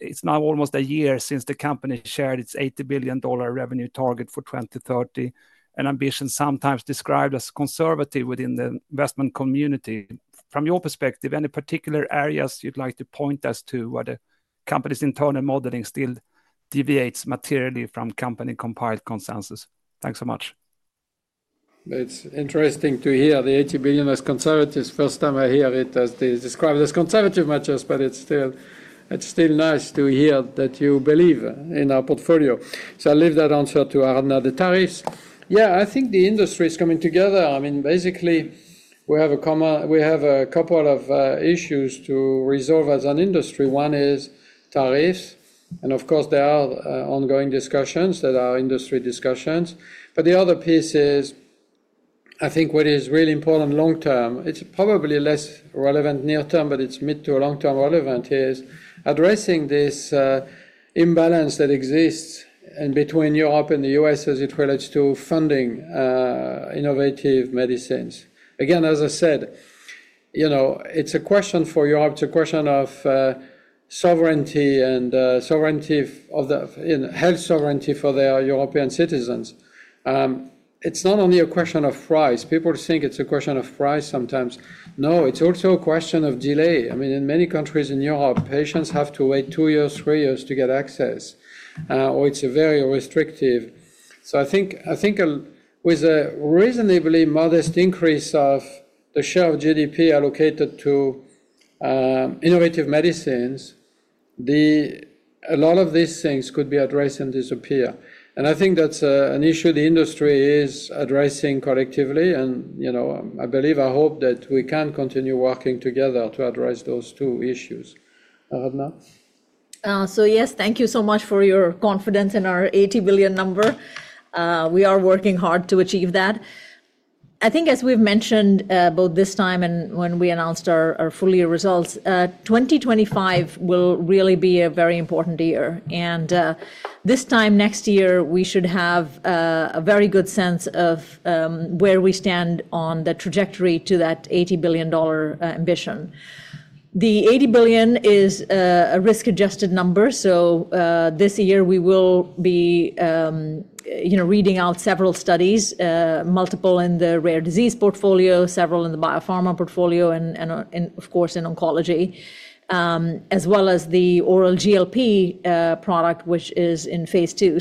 Speaker 15: it's now almost a year since the company shared its $80 billion revenue target for 2030, an ambition sometimes described as conservative within the investment community. From your perspective, any particular areas you'd like to point us to where the company's internal modeling still deviates materially from company-compiled consensus? Thanks so much.
Speaker 3: It's interesting to hear the $80 billion as conservative. First time I hear it as they describe it as conservative, Mathias, but it's still nice to hear that you believe in our portfolio. I'll leave that answer to Aradhana. The tariffs, yeah, I think the industry is coming together. I mean, basically, we have a couple of issues to resolve as an industry. One is tariffs, and of course, there are ongoing discussions that are industry discussions. The other piece is, I think what is really important long-term, it's probably less relevant near-term, but it's mid to long-term relevant, is addressing this imbalance that exists between Europe and the U.S. as it relates to funding innovative medicines. Again, as I said, it's a question for Europe. It's a question of sovereignty and health sovereignty for their European citizens. It's not only a question of price. People think it's a question of price sometimes. No, it's also a question of delay. I mean, in many countries in Europe, patients have to wait two years, three years to get access, or it's very restrictive. I think with a reasonably modest increase of the share of GDP allocated to innovative medicines, a lot of these things could be addressed and disappear. I think that's an issue the industry is addressing collectively, and I believe, I hope that we can continue working together to address those two issues. Aradhana.
Speaker 4: Yes, thank you so much for your confidence in our $80 billion number. We are working hard to achieve that. I think as we've mentioned both this time and when we announced our full-year results, 2025 will really be a very important year. This time next year, we should have a very good sense of where we stand on the trajectory to that $80 billion ambition. The $80 billion is a risk-adjusted number. This year, we will be reading out several studies, multiple in the rare disease portfolio, several in the biopharma portfolio, and of course, in oncology, as well as the oral GLP product, which is in phase II.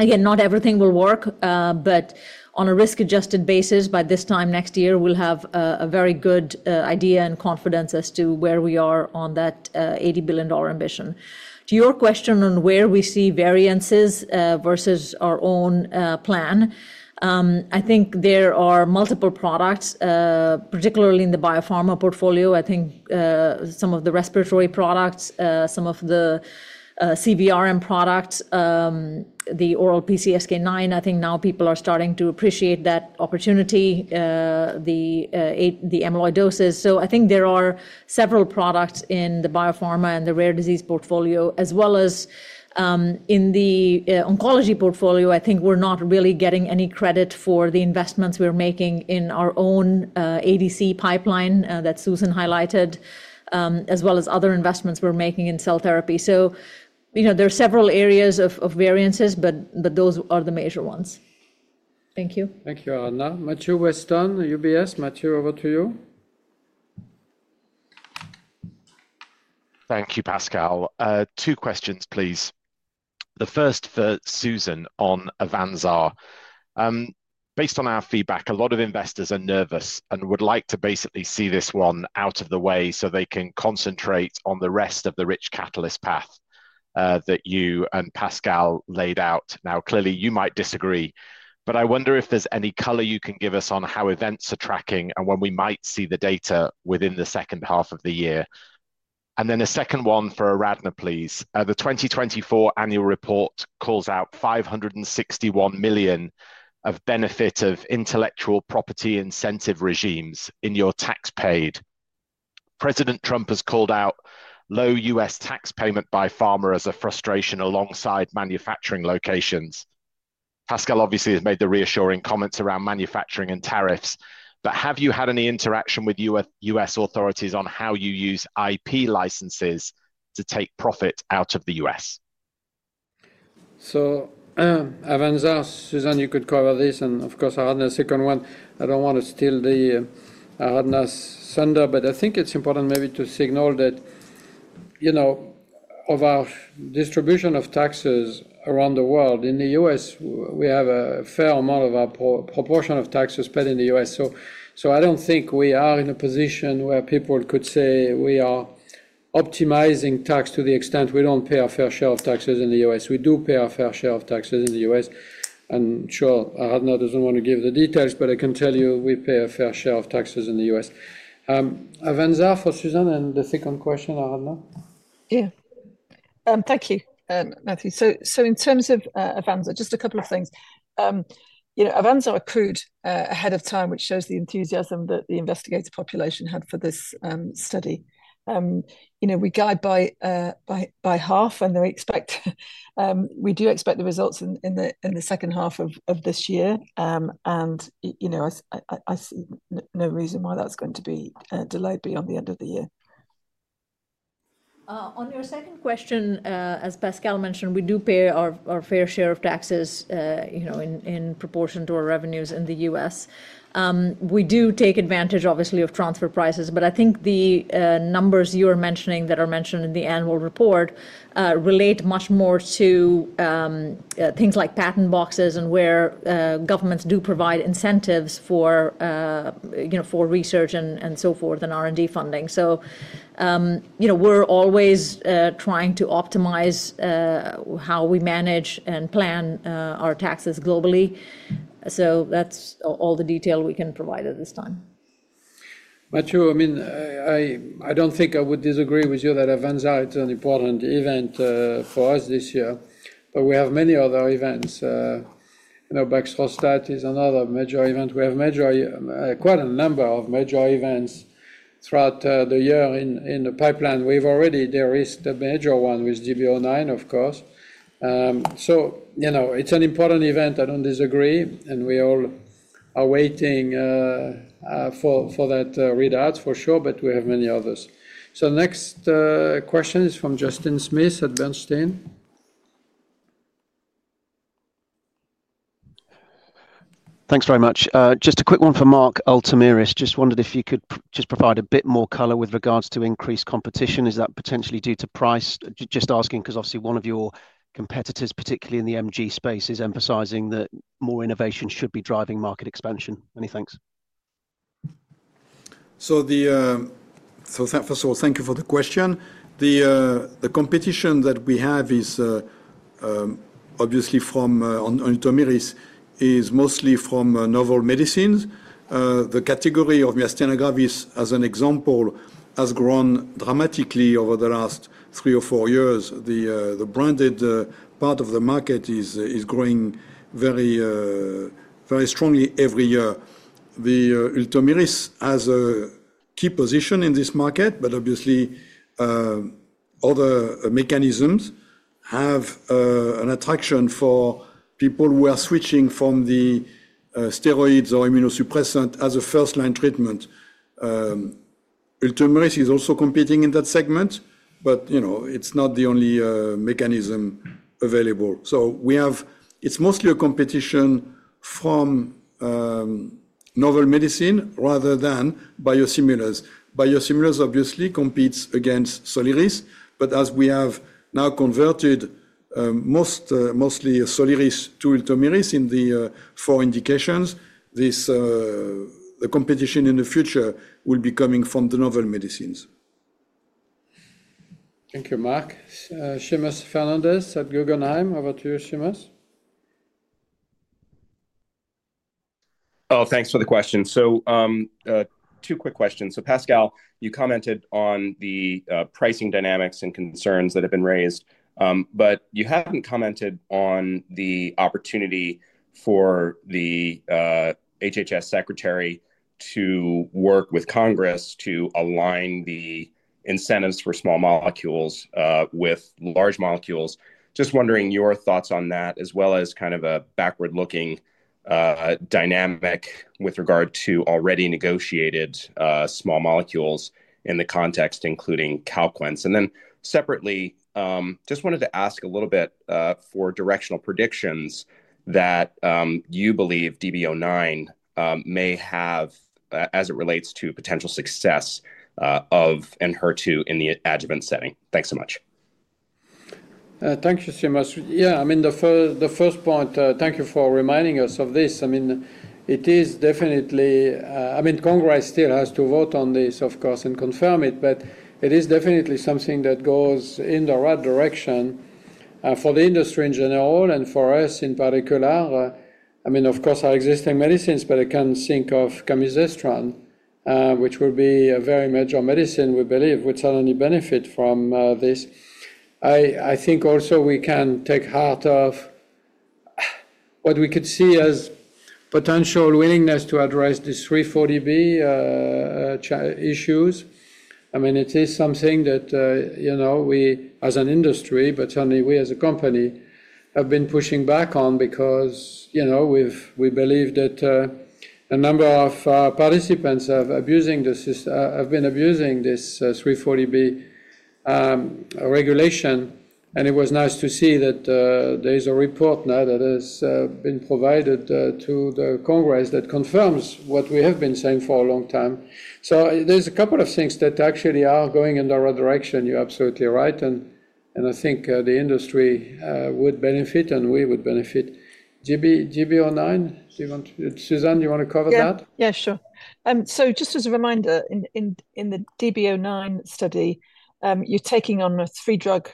Speaker 4: Again, not everything will work, but on a risk-adjusted basis, by this time next year, we'll have a very good idea and confidence as to where we are on that $80 billion ambition. To your question on where we see variances versus our own plan, I think there are multiple products, particularly in the biopharma portfolio. I think some of the respiratory products, some of the CVRM products, the oral PCSK9, I think now people are starting to appreciate that opportunity, the amyloidosis. I think there are several products in the biopharma and the rare disease portfolio, as well as in the oncology portfolio. I think we're not really getting any credit for the investments we're making in our own ADC pipeline that Susan highlighted, as well as other investments we're making in cell therapy. There are several areas of variances, but those are the major ones. Thank you.
Speaker 3: Thank you, Aradhana. Matthew Weston, UBS. Matthew, over to you.
Speaker 16: Thank you, Pascal. Two questions, please. The first for Susan on Avanza. Based on our feedback, a lot of investors are nervous and would like to basically see this one out of the way so they can concentrate on the rest of the rich catalyst path that you and Pascal laid out. Now, clearly, you might disagree, but I wonder if there's any color you can give us on how events are tracking and when we might see the data within the second half of the year. A second one for Aradhana, please. The 2024 annual report calls out $561 million of benefit of intellectual property incentive regimes in your tax paid. President Trump has called out low U.S. tax payment by pharma as a frustration alongside manufacturing locations. Pascal obviously has made the reassuring comments around manufacturing and tariffs, but have you had any interaction with U.S. authorities on how you use IP licenses to take profit out of the U.S.?
Speaker 3: Avanza, Susan, you could cover this. Of course, Aradhana, second one. I do not want to steal Aradhana's thunder, but I think it is important maybe to signal that of our distribution of taxes around the world, in the U.S., we have a fair amount of our proportion of taxes paid in the U.S. I do not think we are in a position where people could say we are optimizing tax to the extent we do not pay a fair share of taxes in the U.S. We do pay a fair share of taxes in the U.S. Sure, Aradhana does not want to give the details, but I can tell you we pay a fair share of taxes in the U.S. Avanza for Susan and the second question, Aradhana?
Speaker 6: Yeah. Thank you, Mathew. In terms of Avanza, just a couple of things. Avanza accrued ahead of time, which shows the enthusiasm that the investigator population had for this study. We guide by half, and we do expect the results in the second half of this year. I see no reason why that's going to be delayed beyond the end of the year.
Speaker 4: On your second question, as Pascal mentioned, we do pay our fair share of taxes in proportion to our revenues in the U.S. We do take advantage, obviously, of transfer prices, but I think the numbers you are mentioning that are mentioned in the annual report relate much more to things like patent boxes and where governments do provide incentives for research and so forth and R&D funding. We are always trying to optimize how we manage and plan our taxes globally. That is all the detail we can provide at this time.
Speaker 3: Mathew, I mean, I do not think I would disagree with you that Avanza is an important event for us this year, but we have many other events. Baxdrostat is another major event. We have quite a number of major events throughout the year in the pipeline. We have already de-risked a major one with GBO9, of course. It is an important event. I do not disagree, and we all are waiting for that readout, for sure, but we have many others. Next question is from Justin Smith at Bernstein.
Speaker 17: Thanks very much. Just a quick one for Mark. Just wondered if you could just provide a bit more color with regards to increased competition. Is that potentially due to price? Just asking because obviously one of your competitors, particularly in the MG space, is emphasizing that more innovation should be driving market expansion. Many thanks.
Speaker 9: First of all, thank you for the question. The competition that we have is obviously from Altamira is mostly from novel medicines. The category of Myrstenagravis, as an example, has grown dramatically over the last three or four years. The branded part of the market is growing very strongly every year. The Altamira has a key position in this market, but obviously other mechanisms have an attraction for people who are switching from the steroids or immunosuppressant as a first-line treatment. Ultimately, it is also competing in that segment, but it's not the only mechanism available. It is mostly a competition from novel medicine rather than biosimilars. Biosimilars, obviously, compete against Soliris, but as we have now converted mostly Soliris to ULTOMIRIS in the four indications, the competition in the future will be coming from the novel medicines.
Speaker 3: Thank you, Mark. Seamus Fernandez at Guggenheim, over to you, Seamus.
Speaker 18: Thanks for the question. Two quick questions. Pascal, you commented on the pricing dynamics and concerns that have been raised, but you have not commented on the opportunity for the HHS secretary to work with Congress to align the incentives for small molecules with large molecules. Just wondering your thoughts on that, as well as kind of a backward-looking dynamic with regard to already negotiated small molecules in the context, including CALQUENCE. Separately, just wanted to ask a little bit for directional predictions that you believe DBO9 may have as it relates to potential success of ENHERTU in the adjuvant setting. Thanks so much.
Speaker 3: Thank you, Seamus. Yeah, I mean, the first point, thank you for reminding us of this. I mean, it is definitely, I mean, Congress still has to vote on this, of course, and confirm it, but it is definitely something that goes in the right direction for the industry in general and for us in particular. I mean, of course, our existing medicines, but I can think of Camizestrant, which will be a very major medicine, we believe, would certainly benefit from this. I think also we can take heart of what we could see as potential willingness to address these 340B issues. I mean, it is something that we, as an industry, but certainly we as a company have been pushing back on because we believe that a number of participants have been abusing this 340B regulation. It was nice to see that there is a report now that has been provided to the Congress that confirms what we have been saying for a long time. There are a couple of things that actually are going in the right direction. You're absolutely right. I think the industry would benefit and we would benefit. GBO9, Susan, do you want to cover that?
Speaker 6: Yeah, sure. Just as a reminder, in the DBO9 study, you're taking on a three-drug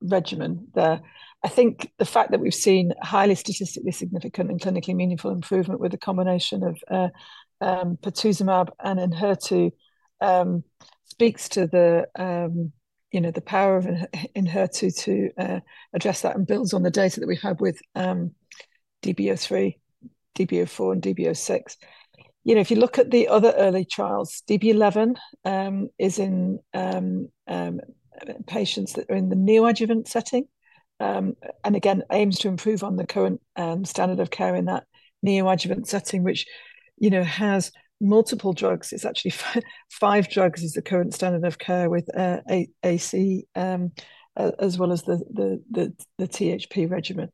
Speaker 6: regimen there. I think the fact that we've seen highly statistically significant and clinically meaningful improvement with a combination of Patritumab and ENHERTU speaks to the power of ENHERTU to address that and builds on the data that we have with DBO3, DBO4, and DBO6. If you look at the other early trials, DB11 is in patients that are in the neoadjuvant setting and again, aims to improve on the current standard of care in that neoadjuvant setting, which has multiple drugs. It's actually five drugs is the current standard of care with AC, as well as the THP regimen.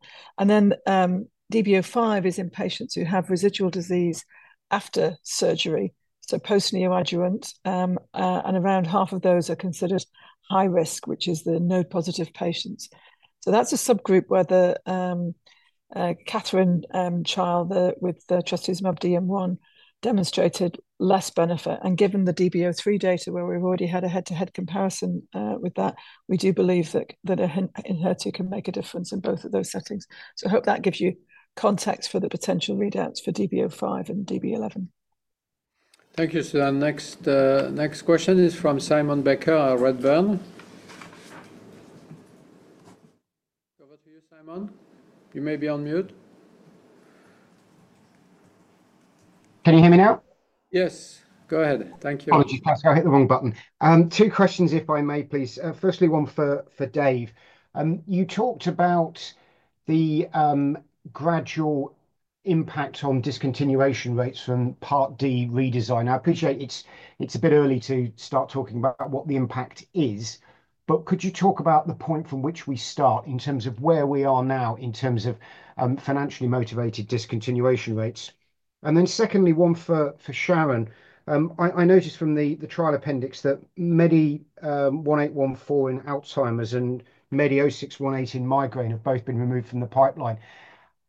Speaker 6: DBO5 is in patients who have residual disease after surgery, so post-neoadjuvant. Around half of those are considered high risk, which is the node-positive patients. That's a subgroup where the KATHERINE trial with Trastuzumab DM1 demonstrated less benefit. Given the DB03 data, where we've already had a head-to-head comparison with that, we do believe that ENHERTU can make a difference in both of those settings. I hope that gives you context for the potential readouts for DB05 and DB11.
Speaker 3: Thank you, Susan. Next question is from Simon Baker at Redburn. Over to you, Simon. You may be on mute.
Speaker 19: Can you hear me now?
Speaker 3: Yes. Go ahead. Thank you.
Speaker 20: Apologies for pressure. I hit the wrong button. Two questions, if I may, please. Firstly, one for Dave. You talked about the gradual impact on discontinuation rates from Part D redesign. I appreciate it's a bit early to start talking about what the impact is, but could you talk about the point from which we start in terms of where we are now in terms of financially motivated discontinuation rates? Secondly, one for Sharon. I noticed from the trial appendix that MEDI1814 in Alzheimer's and MEDI0618 in migraine have both been removed from the pipeline.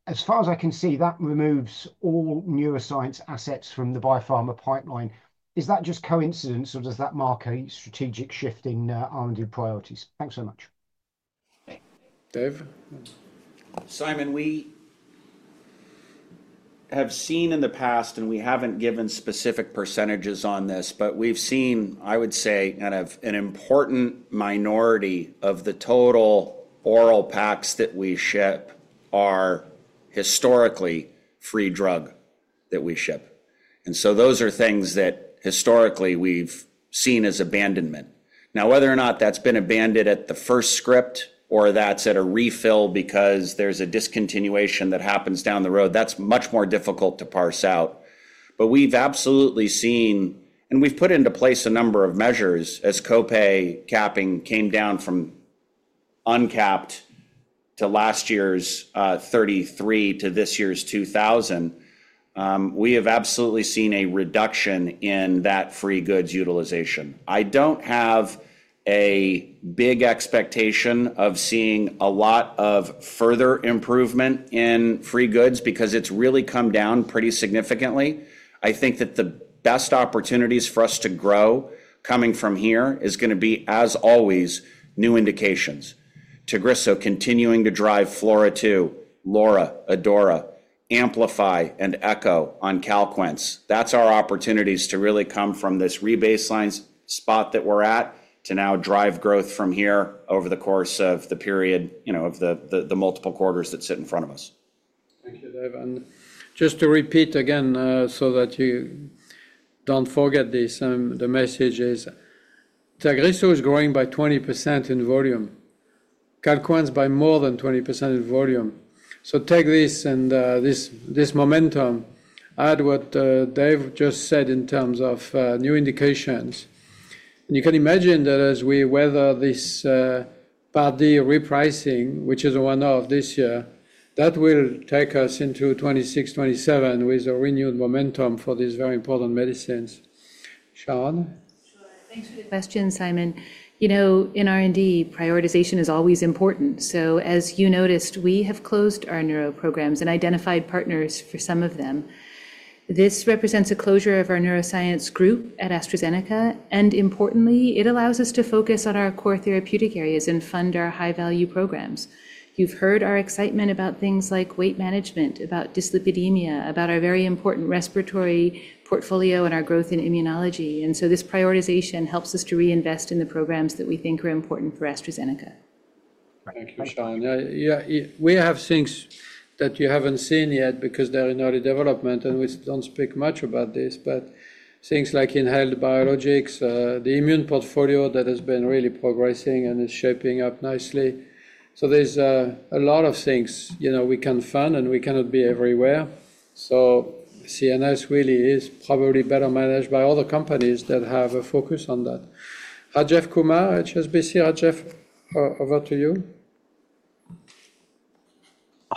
Speaker 20: As far as I can see, that removes all neuroscience assets from the biopharma pipeline. Is that just coincidence, or does that mark a strategic shift in R&D priorities? Thanks so much.
Speaker 3: Dave?
Speaker 5: Simon, we have seen in the past, and we have not given specific percentages on this, but we have seen, I would say, kind of an important minority of the total oral packs that we ship are historically free drug that we ship. Those are things that historically we have seen as abandonment. Now, whether or not that has been abandoned at the first script or that is at a refill because there is a discontinuation that happens down the road, that is much more difficult to parse out. We have absolutely seen, and we have put into place a number of measures as copay capping came down from uncapped to last year's $33 to this year's $2,000. We have absolutely seen a reduction in that free goods utilization. I do not have a big expectation of seeing a lot of further improvement in free goods because it has really come down pretty significantly. I think that the best opportunities for us to grow coming from here is going to be, as always, new indications. TAGRISSO, continuing to drive FLAURA to LAURA, ADAURA, AMPLIFY, and ECHO on CALQUENCE. That's our opportunities to really come from this rebaselines spot that we're at to now drive growth from here over the course of the period of the multiple quarters that sit in front of U.S.
Speaker 3: Thank you, Dave. Just to repeat again so that you do not forget this, the message is TAGRISSO is growing by 20% in volume, CALQUENCE by more than 20% in volume. Take this and this momentum, add what Dave just said in terms of new indications. You can imagine that as we weather this Part D repricing, which is a one-off this year, that will take us into 2026, 2027 with a renewed momentum for these very important medicines. Sharon?
Speaker 8: Sure. Thanks for the question, Simon. You know, in R&D, prioritization is always important. As you noticed, we have closed our neuro programs and identified partners for some of them. This represents a closure of our neuroscience group at AstraZeneca. Importantly, it allows us to focus on our core therapeutic areas and fund our high-value programs. You've heard our excitement about things like weight management, about dyslipidemia, about our very important respiratory portfolio and our growth in immunology. This prioritization helps us to reinvest in the programs that we think are important for AstraZeneca.
Speaker 3: Thank you, Sharon. Yeah, we have things that you haven't seen yet because they're in early development, and we don't speak much about this, but things like Inhale Biologics, the immune portfolio that has been really progressing and is shaping up nicely. There is a lot of things we can fund, and we cannot be everywhere. CNS really is probably better managed by other companies that have a focus on that. Rajesh Kumar, HSBC, Rajesh, over to you.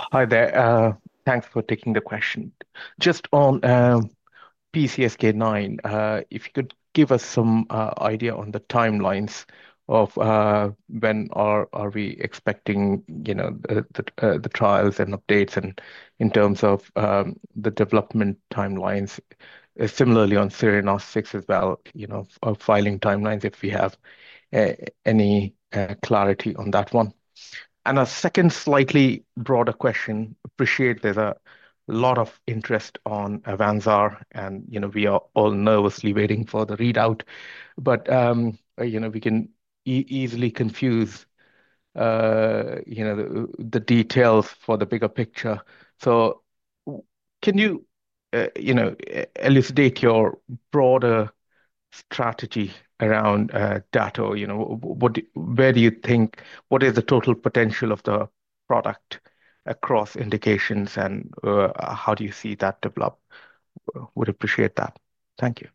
Speaker 21: Hi there. Thanks for taking the question. Just on PCSK9, if you could give us some idea on the timelines of when are we expecting the trials and updates in terms of the development timelines, similarly on SERENA-6 as well. Filing timelines, if we have any clarity on that one. A second slightly broader question. Appreciate there's a lot of interest on Avanzar, and we are all nervously waiting for the readout, but we can easily confuse the details for the bigger picture. Can you elucidate your broader strategy around data? Where do you think what is the total potential of the product across indications, and how do you see that develop? Would appreciate that. Thank you.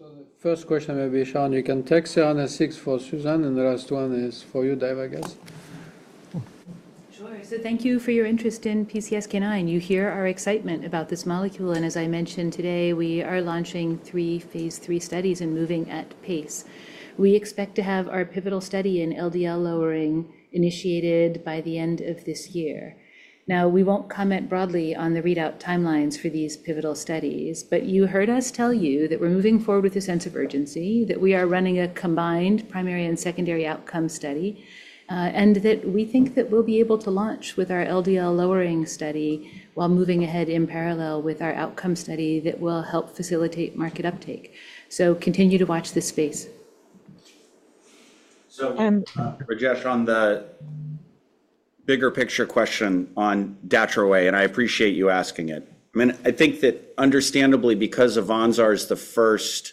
Speaker 3: The first question may be, Sharon, you can take SERENA-6 for Susan, and the last one is for you, Dave, I guess.
Speaker 8: Sure. Thank you for your interest in PCSK9. You hear our excitement about this molecule. As I mentioned today, we are launching three phase 3 studies and moving at pace. We expect to have our pivotal study in LDL lowering initiated by the end of this year. We will not comment broadly on the readout timelines for these pivotal studies, but you heard us tell you that we are moving forward with a sense of urgency, that we are running a combined primary and secondary outcome study, and that we think that we will be able to launch with our LDL lowering study while moving ahead in parallel with our outcome study that will help facilitate market uptake. Continue to watch this space. So.
Speaker 5: Roger, on the bigger picture question on Datopotamab deruxtecan, and I appreciate you asking it. I mean, I think that understandably, because Avanzar is the first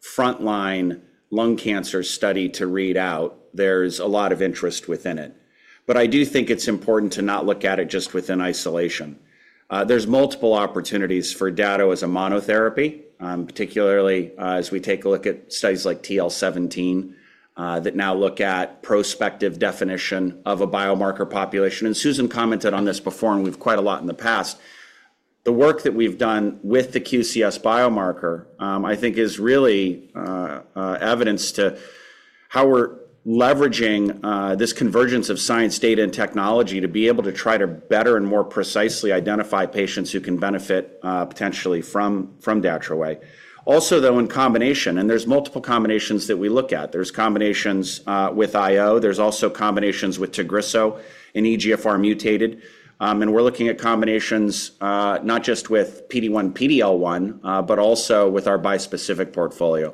Speaker 5: frontline lung cancer study to read out, there's a lot of interest within it. I do think it's important to not look at it just within isolation. There's multiple opportunities for data as a monotherapy, particularly as we take a look at studies like TL17 that now look at prospective definition of a biomarker population. Susan commented on this before, and we've quite a lot in the past. The work that we've done with the QCS biomarker, I think, is really evidence to how we're leveraging this convergence of science, data, and technology to be able to try to better and more precisely identify patients who can benefit potentially from Datopotamab deruxtecan. Also, though, in combination, and there's multiple combinations that we look at. There's combinations with IO. There's also combinations with TAGRISSO and EGFR mutated. We are looking at combinations not just with PD1, PDL1, but also with our bispecific portfolio.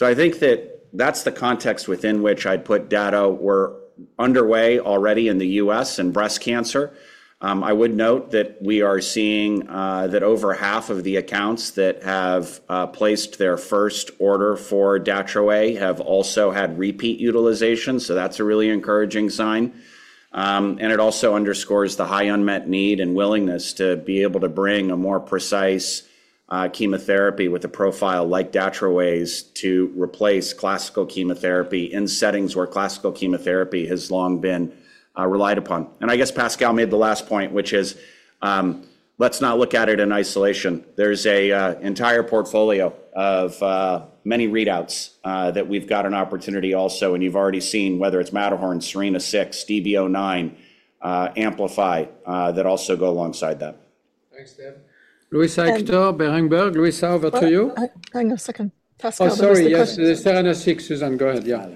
Speaker 5: I think that that's the context within which I'd put data. We are underway already in the U.S. in breast cancer. I would note that we are seeing that over half of the accounts that have placed their first order for Datopotamab deruxtecan have also had repeat utilization. That's a really encouraging sign. It also underscores the high unmet need and willingness to be able to bring a more precise chemotherapy with a profile like Datopotamab deruxtecan's to replace classical chemotherapy in settings where classical chemotherapy has long been relied upon. I guess Pascal made the last point, which is let's not look at it in isolation. There's an entire portfolio of many readouts that we've got an opportunity also, and you've already seen whether it's MATTERHORN, SERENA-6, DBO9, AMPLIFY that also go alongside that.
Speaker 3: Thanks, Dave. Luisa Hector, Berenberg. Luisa, over to you.
Speaker 6: I'm going to second Pascal.
Speaker 3: Oh, sorry. The SERENA-6, Susan. Go ahead. Yeah.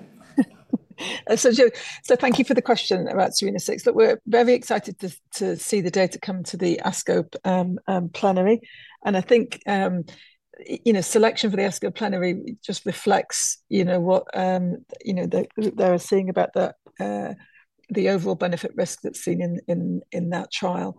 Speaker 6: Thank you for the question about SERENA-6. Look, we're very excited to see the data come to the ASCO plenary. I think selection for the ASCO plenary just reflects what they're seeing about the overall benefit risk that's seen in that trial.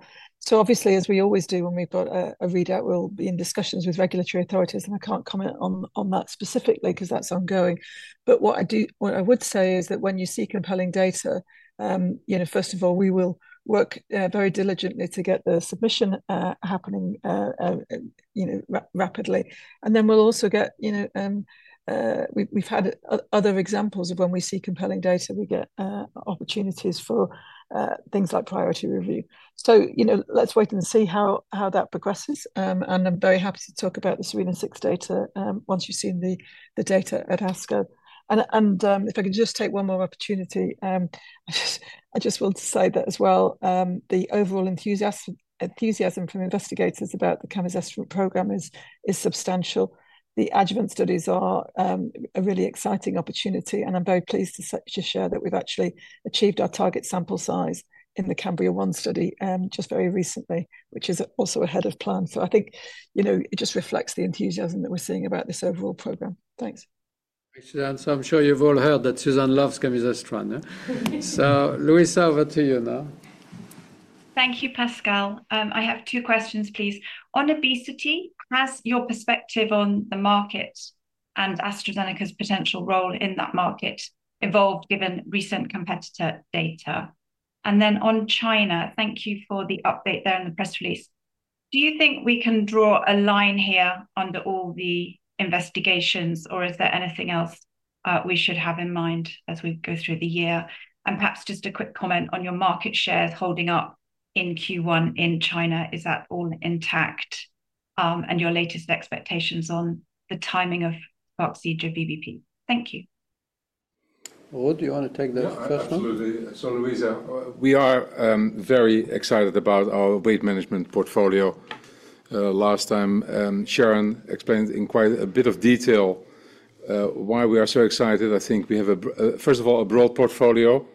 Speaker 6: Obviously, as we always do when we've got a readout, we'll be in discussions with regulatory authorities, and I can't comment on that specifically because that's ongoing. What I would say is that when you see compelling data, first of all, we will work very diligently to get the submission happening rapidly. We've had other examples of when we see compelling data, we get opportunities for things like priority review. Let's wait and see how that progresses. I'm very happy to talk about the SERENA-6 data once you've seen the data at ASCO. If I could just take one more opportunity, I just want to say that as well, the overall enthusiasm from investigators about the chemosespheric program is substantial. The adjuvant studies are a really exciting opportunity, and I'm very pleased to share that we've actually achieved our target sample size in CAMBRIA-1 study just very recently, which is also ahead of plan. I think it just reflects the enthusiasm that we're seeing about this overall program. Thanks.
Speaker 3: Thanks, Susan. I'm sure you've all heard that Susan loves chemosespheric. Luisa, over to you now.
Speaker 22: Thank you, Pascal. I have two questions, please. On obesity, has your perspective on the market and AstraZeneca's potential role in that market evolved given recent competitor data? On China, thank you for the update there in the press release. Do you think we can draw a line here under all the investigations, or is there anything else we should have in mind as we go through the year? Perhaps just a quick comment on your market shares holding up in Q1 in China. Is that all intact? Your latest expectations on the timing of vaccine to VBP? Thank you.
Speaker 3: Do you want to take the first one?
Speaker 7: Absolutely. Luisa, we are very excited about our weight management portfolio. Last time, Sharon explained in quite a bit of detail why we are so excited. I think we have, first of all, a broad portfolio.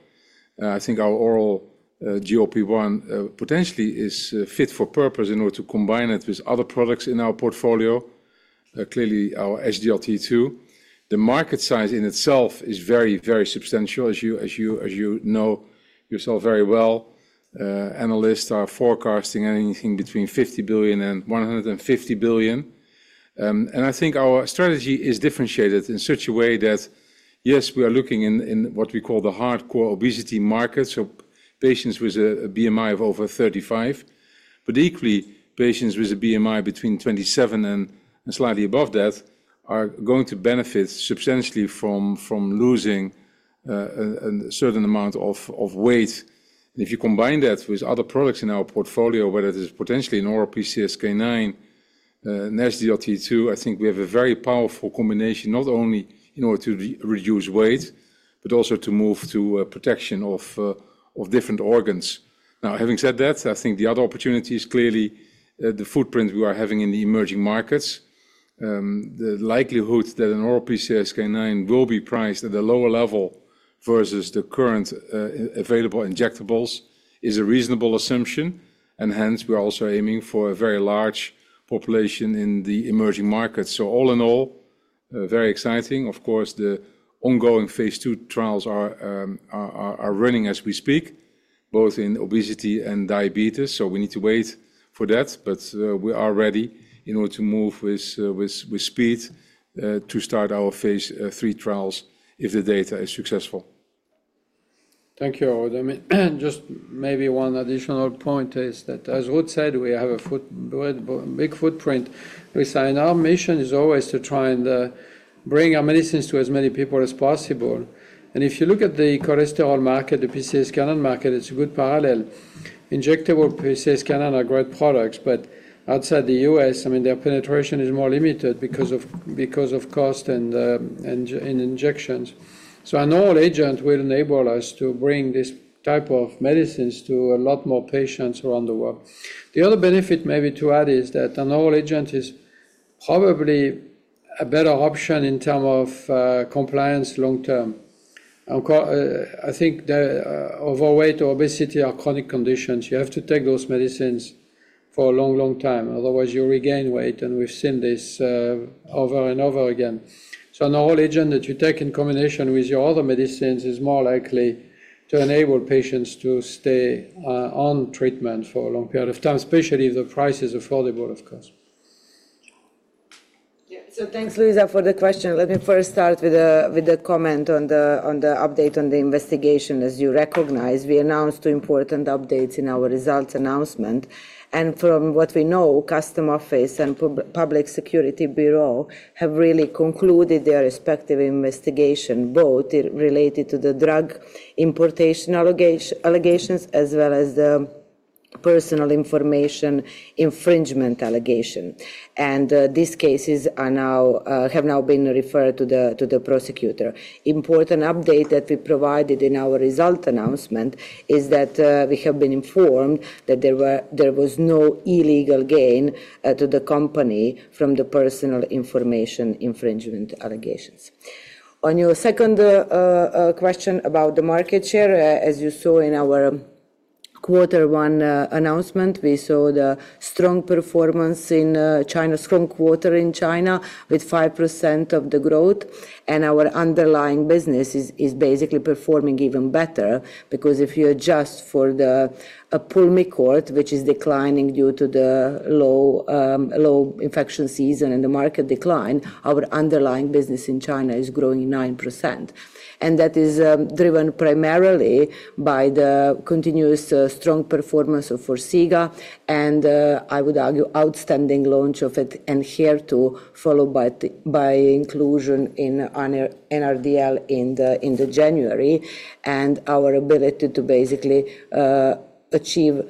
Speaker 7: I think our oral GOP-1 potentially is fit for purpose in order to combine it with other products in our portfolio, clearly our SGLT-2. The market size in itself is very, very substantial, as you know yourself very well. Analysts are forecasting anything between $50 billion and $150 billion. I think our strategy is differentiated in such a way that, yes, we are looking in what we call the hardcore obesity market, so patients with a BMI of over 35, but equally, patients with a BMI between 27 and slightly above that are going to benefit substantially from losing a certain amount of weight. If you combine that with other products in our portfolio, whether it is potentially an oral PCSK9, an SGLT-2, I think we have a very powerful combination, not only in order to reduce weight, but also to move to protection of different organs. Now, having said that, I think the other opportunity is clearly the footprint we are having in the emerging markets. The likelihood that an oral PCSK9 will be priced at a lower level versus the current available injectables is a reasonable assumption. Hence, we are also aiming for a very large population in the emerging markets. All in all, very exciting. Of course, the ongoing phase II trials are running as we speak, both in obesity and diabetes. We need to wait for that, but we are ready in order to move with speed to start our phase III trials if the data is successful.
Speaker 3: Thank you. Just maybe one additional point is that, as Ruud said, we have a big footprint. In our mission, it is always to try and bring our medicines to as many people as possible. If you look at the cholesterol market, the PCSK9 market, it's a good parallel. Injectable PCSK9 are great products, but outside the U.S., I mean, their penetration is more limited because of cost and injections. An oral agent will enable us to bring this type of medicines to a lot more patients around the world. The other benefit maybe to add is that an oral agent is probably a better option in terms of compliance long term. I think overweight, obesity, or chronic conditions, you have to take those medicines for a long, long time. Otherwise, you regain weight, and we've seen this over and over again. An oral agent that you take in combination with your other medicines is more likely to enable patients to stay on treatment for a long period of time, especially if the price is affordable, of course.
Speaker 4: Yeah. Thanks, Luisa, for the question. Let me first start with a comment on the update on the investigation. As you recognize, we announced two important updates in our results announcement. From what we know, the Customs Office and the Public Security Bureau have really concluded their respective investigation, both related to the drug importation allegations as well as the personal information infringement allegation. These cases have now been referred to the prosecutor. An important update that we provided in our result announcement is that we have been informed that there was no illegal gain to the company from the personal information infringement allegations. On your second question about the market share, as you saw in our quarter one announcement, we saw the strong performance in China, strong quarter in China with 5% of the growth. Our underlying business is basically performing even better because if you adjust for the PULMICORT, which is declining due to the low infection season and the market decline, our underlying business in China is growing 9%. That is driven primarily by the continuous strong performance of Forxiga and, I would argue, outstanding launch of it and HER2, followed by inclusion in NRDL in January, and our ability to basically achieve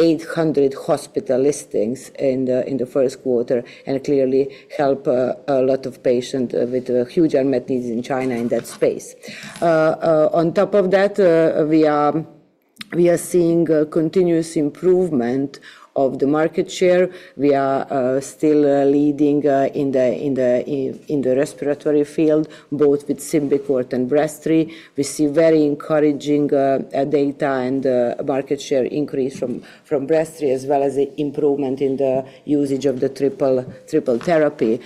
Speaker 4: 800 hospital listings in the first quarter and clearly help a lot of patients with huge unmet needs in China in that space. On top of that, we are seeing continuous improvement of the market share. We are still leading in the respiratory field, both with Symbicort and Breztri. We see very encouraging data and market share increase from Breztri as well as the improvement in the usage of the triple therapy.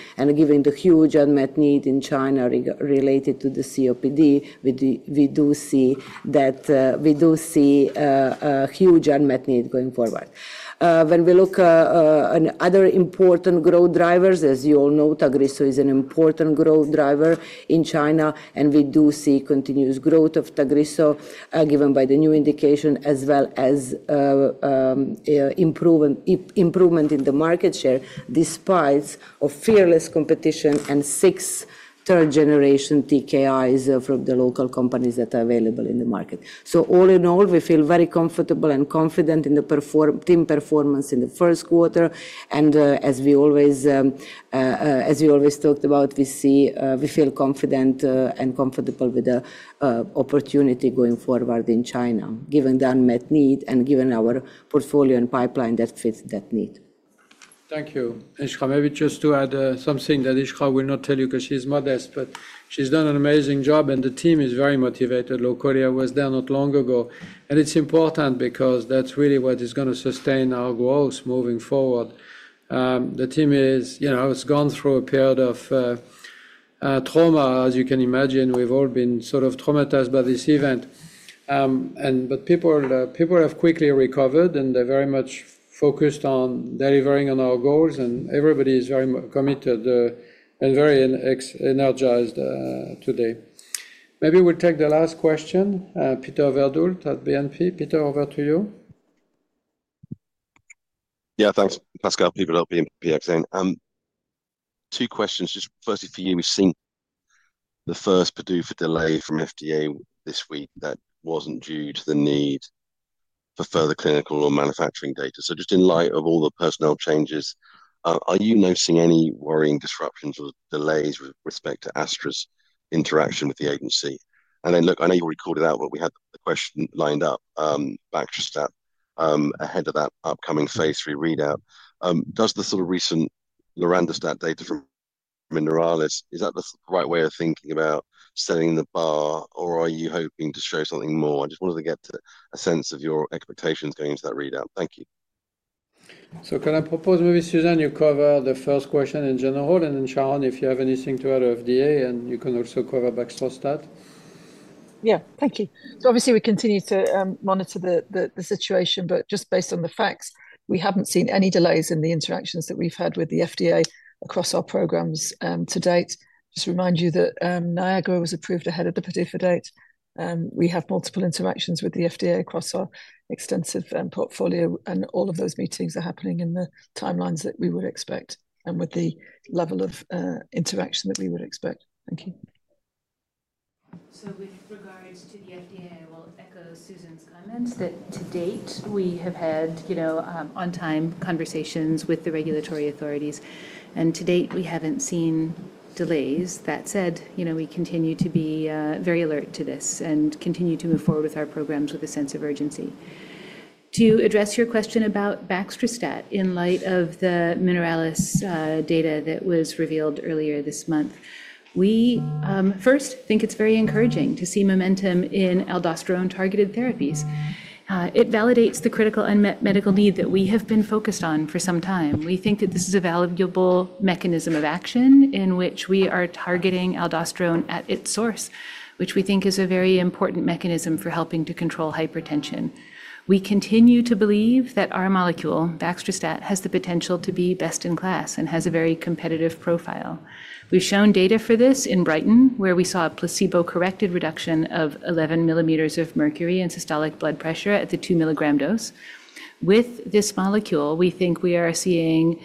Speaker 4: Given the huge unmet need in China related to COPD, we do see a huge unmet need going forward. When we look at other important growth drivers, as you all know, TAGRISSO is an important growth driver in China, and we do see continuous growth of TAGRISSO given by the new indication as well as improvement in the market share despite fierce competition and six third-generation TKIs from the local companies that are available in the market. All in all, we feel very comfortable and confident in the team performance in the first quarter. As we always talked about, we feel confident and comfortable with the opportunity going forward in China, given the unmet need and given our portfolio and pipeline that fits that need.
Speaker 3: Thank you. Iskra, maybe just to add something that Iskra will not tell you because she's modest, but she's done an amazing job, and the team is very motivated. LoCorria was there not long ago. It is important because that's really what is going to sustain our growth moving forward. The team has gone through a period of trauma, as you can imagine. We've all been sort of traumatized by this event. People have quickly recovered, and they're very much focused on delivering on our goals, and everybody is very committed and very energized today. Maybe we'll take the last question, Peter Verwoerd at BNP. Peter, over to you.
Speaker 23: Yeah, thanks, Pascal. People at BNP, excellent. Two questions, just firstly for you. We've seen the first PDUFA delay from FDA this week that wasn't due to the need for further clinical or manufacturing data. Just in light of all the personnel changes, are you noticing any worrying disruptions or delays with respect to AstraZeneca's interaction with the agency? I know you already called it out, but we had the question lined up back just ahead of that upcoming phase III readout. Does the sort of recent Lerandostat data from Mineralis, is that the right way of thinking about setting the bar, or are you hoping to show something more? I just wanted to get a sense of your expectations going into that readout. Thank you.
Speaker 3: Can I propose maybe, Susan, you cover the first question in general, and then Sharon, if you have anything to add to FDA, and you can also cover backstream stats.
Speaker 6: Yeah, thank you. Obviously, we continue to monitor the situation, but just based on the facts, we haven't seen any delays in the interactions that we've had with the FDA across our programs to date. Just to remind you that Niagara was approved ahead of the PDUFA date. We have multiple interactions with the FDA across our extensive portfolio, and all of those meetings are happening in the timelines that we would expect and with the level of interaction that we would expect. Thank you.
Speaker 8: With regards to the FDA, I will echo Susan's comments that to date, we have had on-time conversations with the regulatory authorities. To date, we haven't seen delays. That said, we continue to be very alert to this and continue to move forward with our programs with a sense of urgency. To address your question about Baxdrostat in light of the Mineralis data that was revealed earlier this month, we first think it's very encouraging to see momentum in aldosterone-targeted therapies. It validates the critical unmet medical need that we have been focused on for some time. We think that this is a valuable mechanism of action in which we are targeting aldosterone at its source, which we think is a very important mechanism for helping to control hypertension. We continue to believe that our molecule, Baxdrostat, has the potential to be best in class and has a very competitive profile. We've shown data for this in Brighton, where we saw a placebo-corrected reduction of 11 millimeters of mercury in systolic blood pressure at the 2 milligram dose. With this molecule, we think we are seeing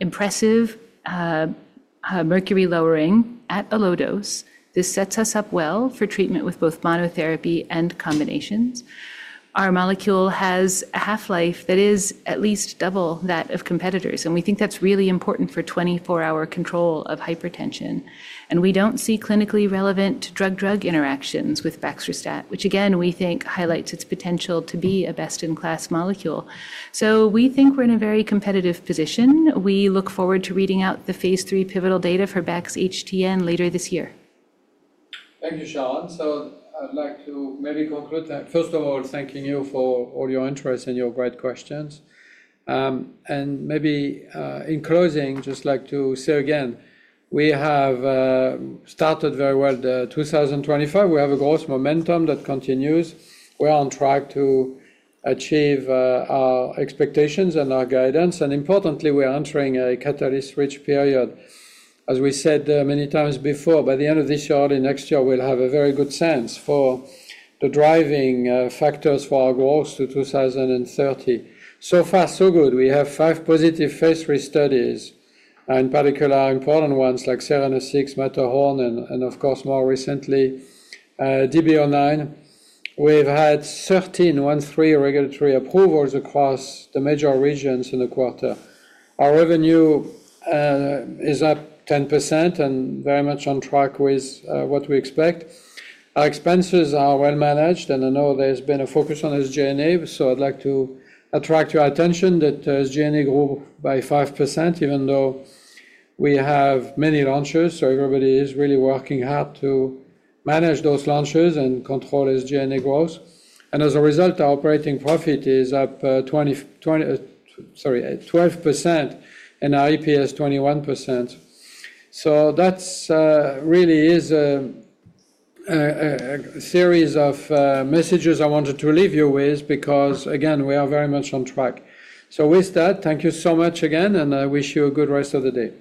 Speaker 8: impressive mercury lowering at a low dose. This sets us up well for treatment with both monotherapy and combinations. Our molecule has a half-life that is at least double that of competitors, and we think that's really important for 24-hour control of hypertension. We don't see clinically relevant drug-drug interactions with Baxdrostat, which, again, we think highlights its potential to be a best-in-class molecule. We think we're in a very competitive position. We look forward to reading out the phase III pivotal data for BAX HTN later this year.
Speaker 3: Thank you, Sharon. I'd like to maybe conclude that, first of all, thanking you for all your interest and your great questions. Maybe in closing, just like to say again, we have started very well the 2025. We have a growth momentum that continues. We're on track to achieve our expectations and our guidance. Importantly, we're entering a catalyst-rich period. As we said many times before, by the end of this year or early next year, we'll have a very good sense for the driving factors for our growth to 2030. So far, so good. We have five positive phase 3 studies, in particular, important ones like SERENA-6, MATTERHORN, and of course, more recently, DB09. We've had 13 regulatory approvals across the major regions in the quarter. Our revenue is up 10% and very much on track with what we expect. Our expenses are well managed, and I know there's been a focus on SG&A, so I'd like to attract your attention that SG&A grew by 5%, even though we have many launches. Everybody is really working hard to manage those launches and control SG&A growth. As a result, our operating profit is up 12% and our EPS 21%. That really is a series of messages I wanted to leave you with because, again, we are very much on track. Thank you so much again, and I wish you a good rest of the day.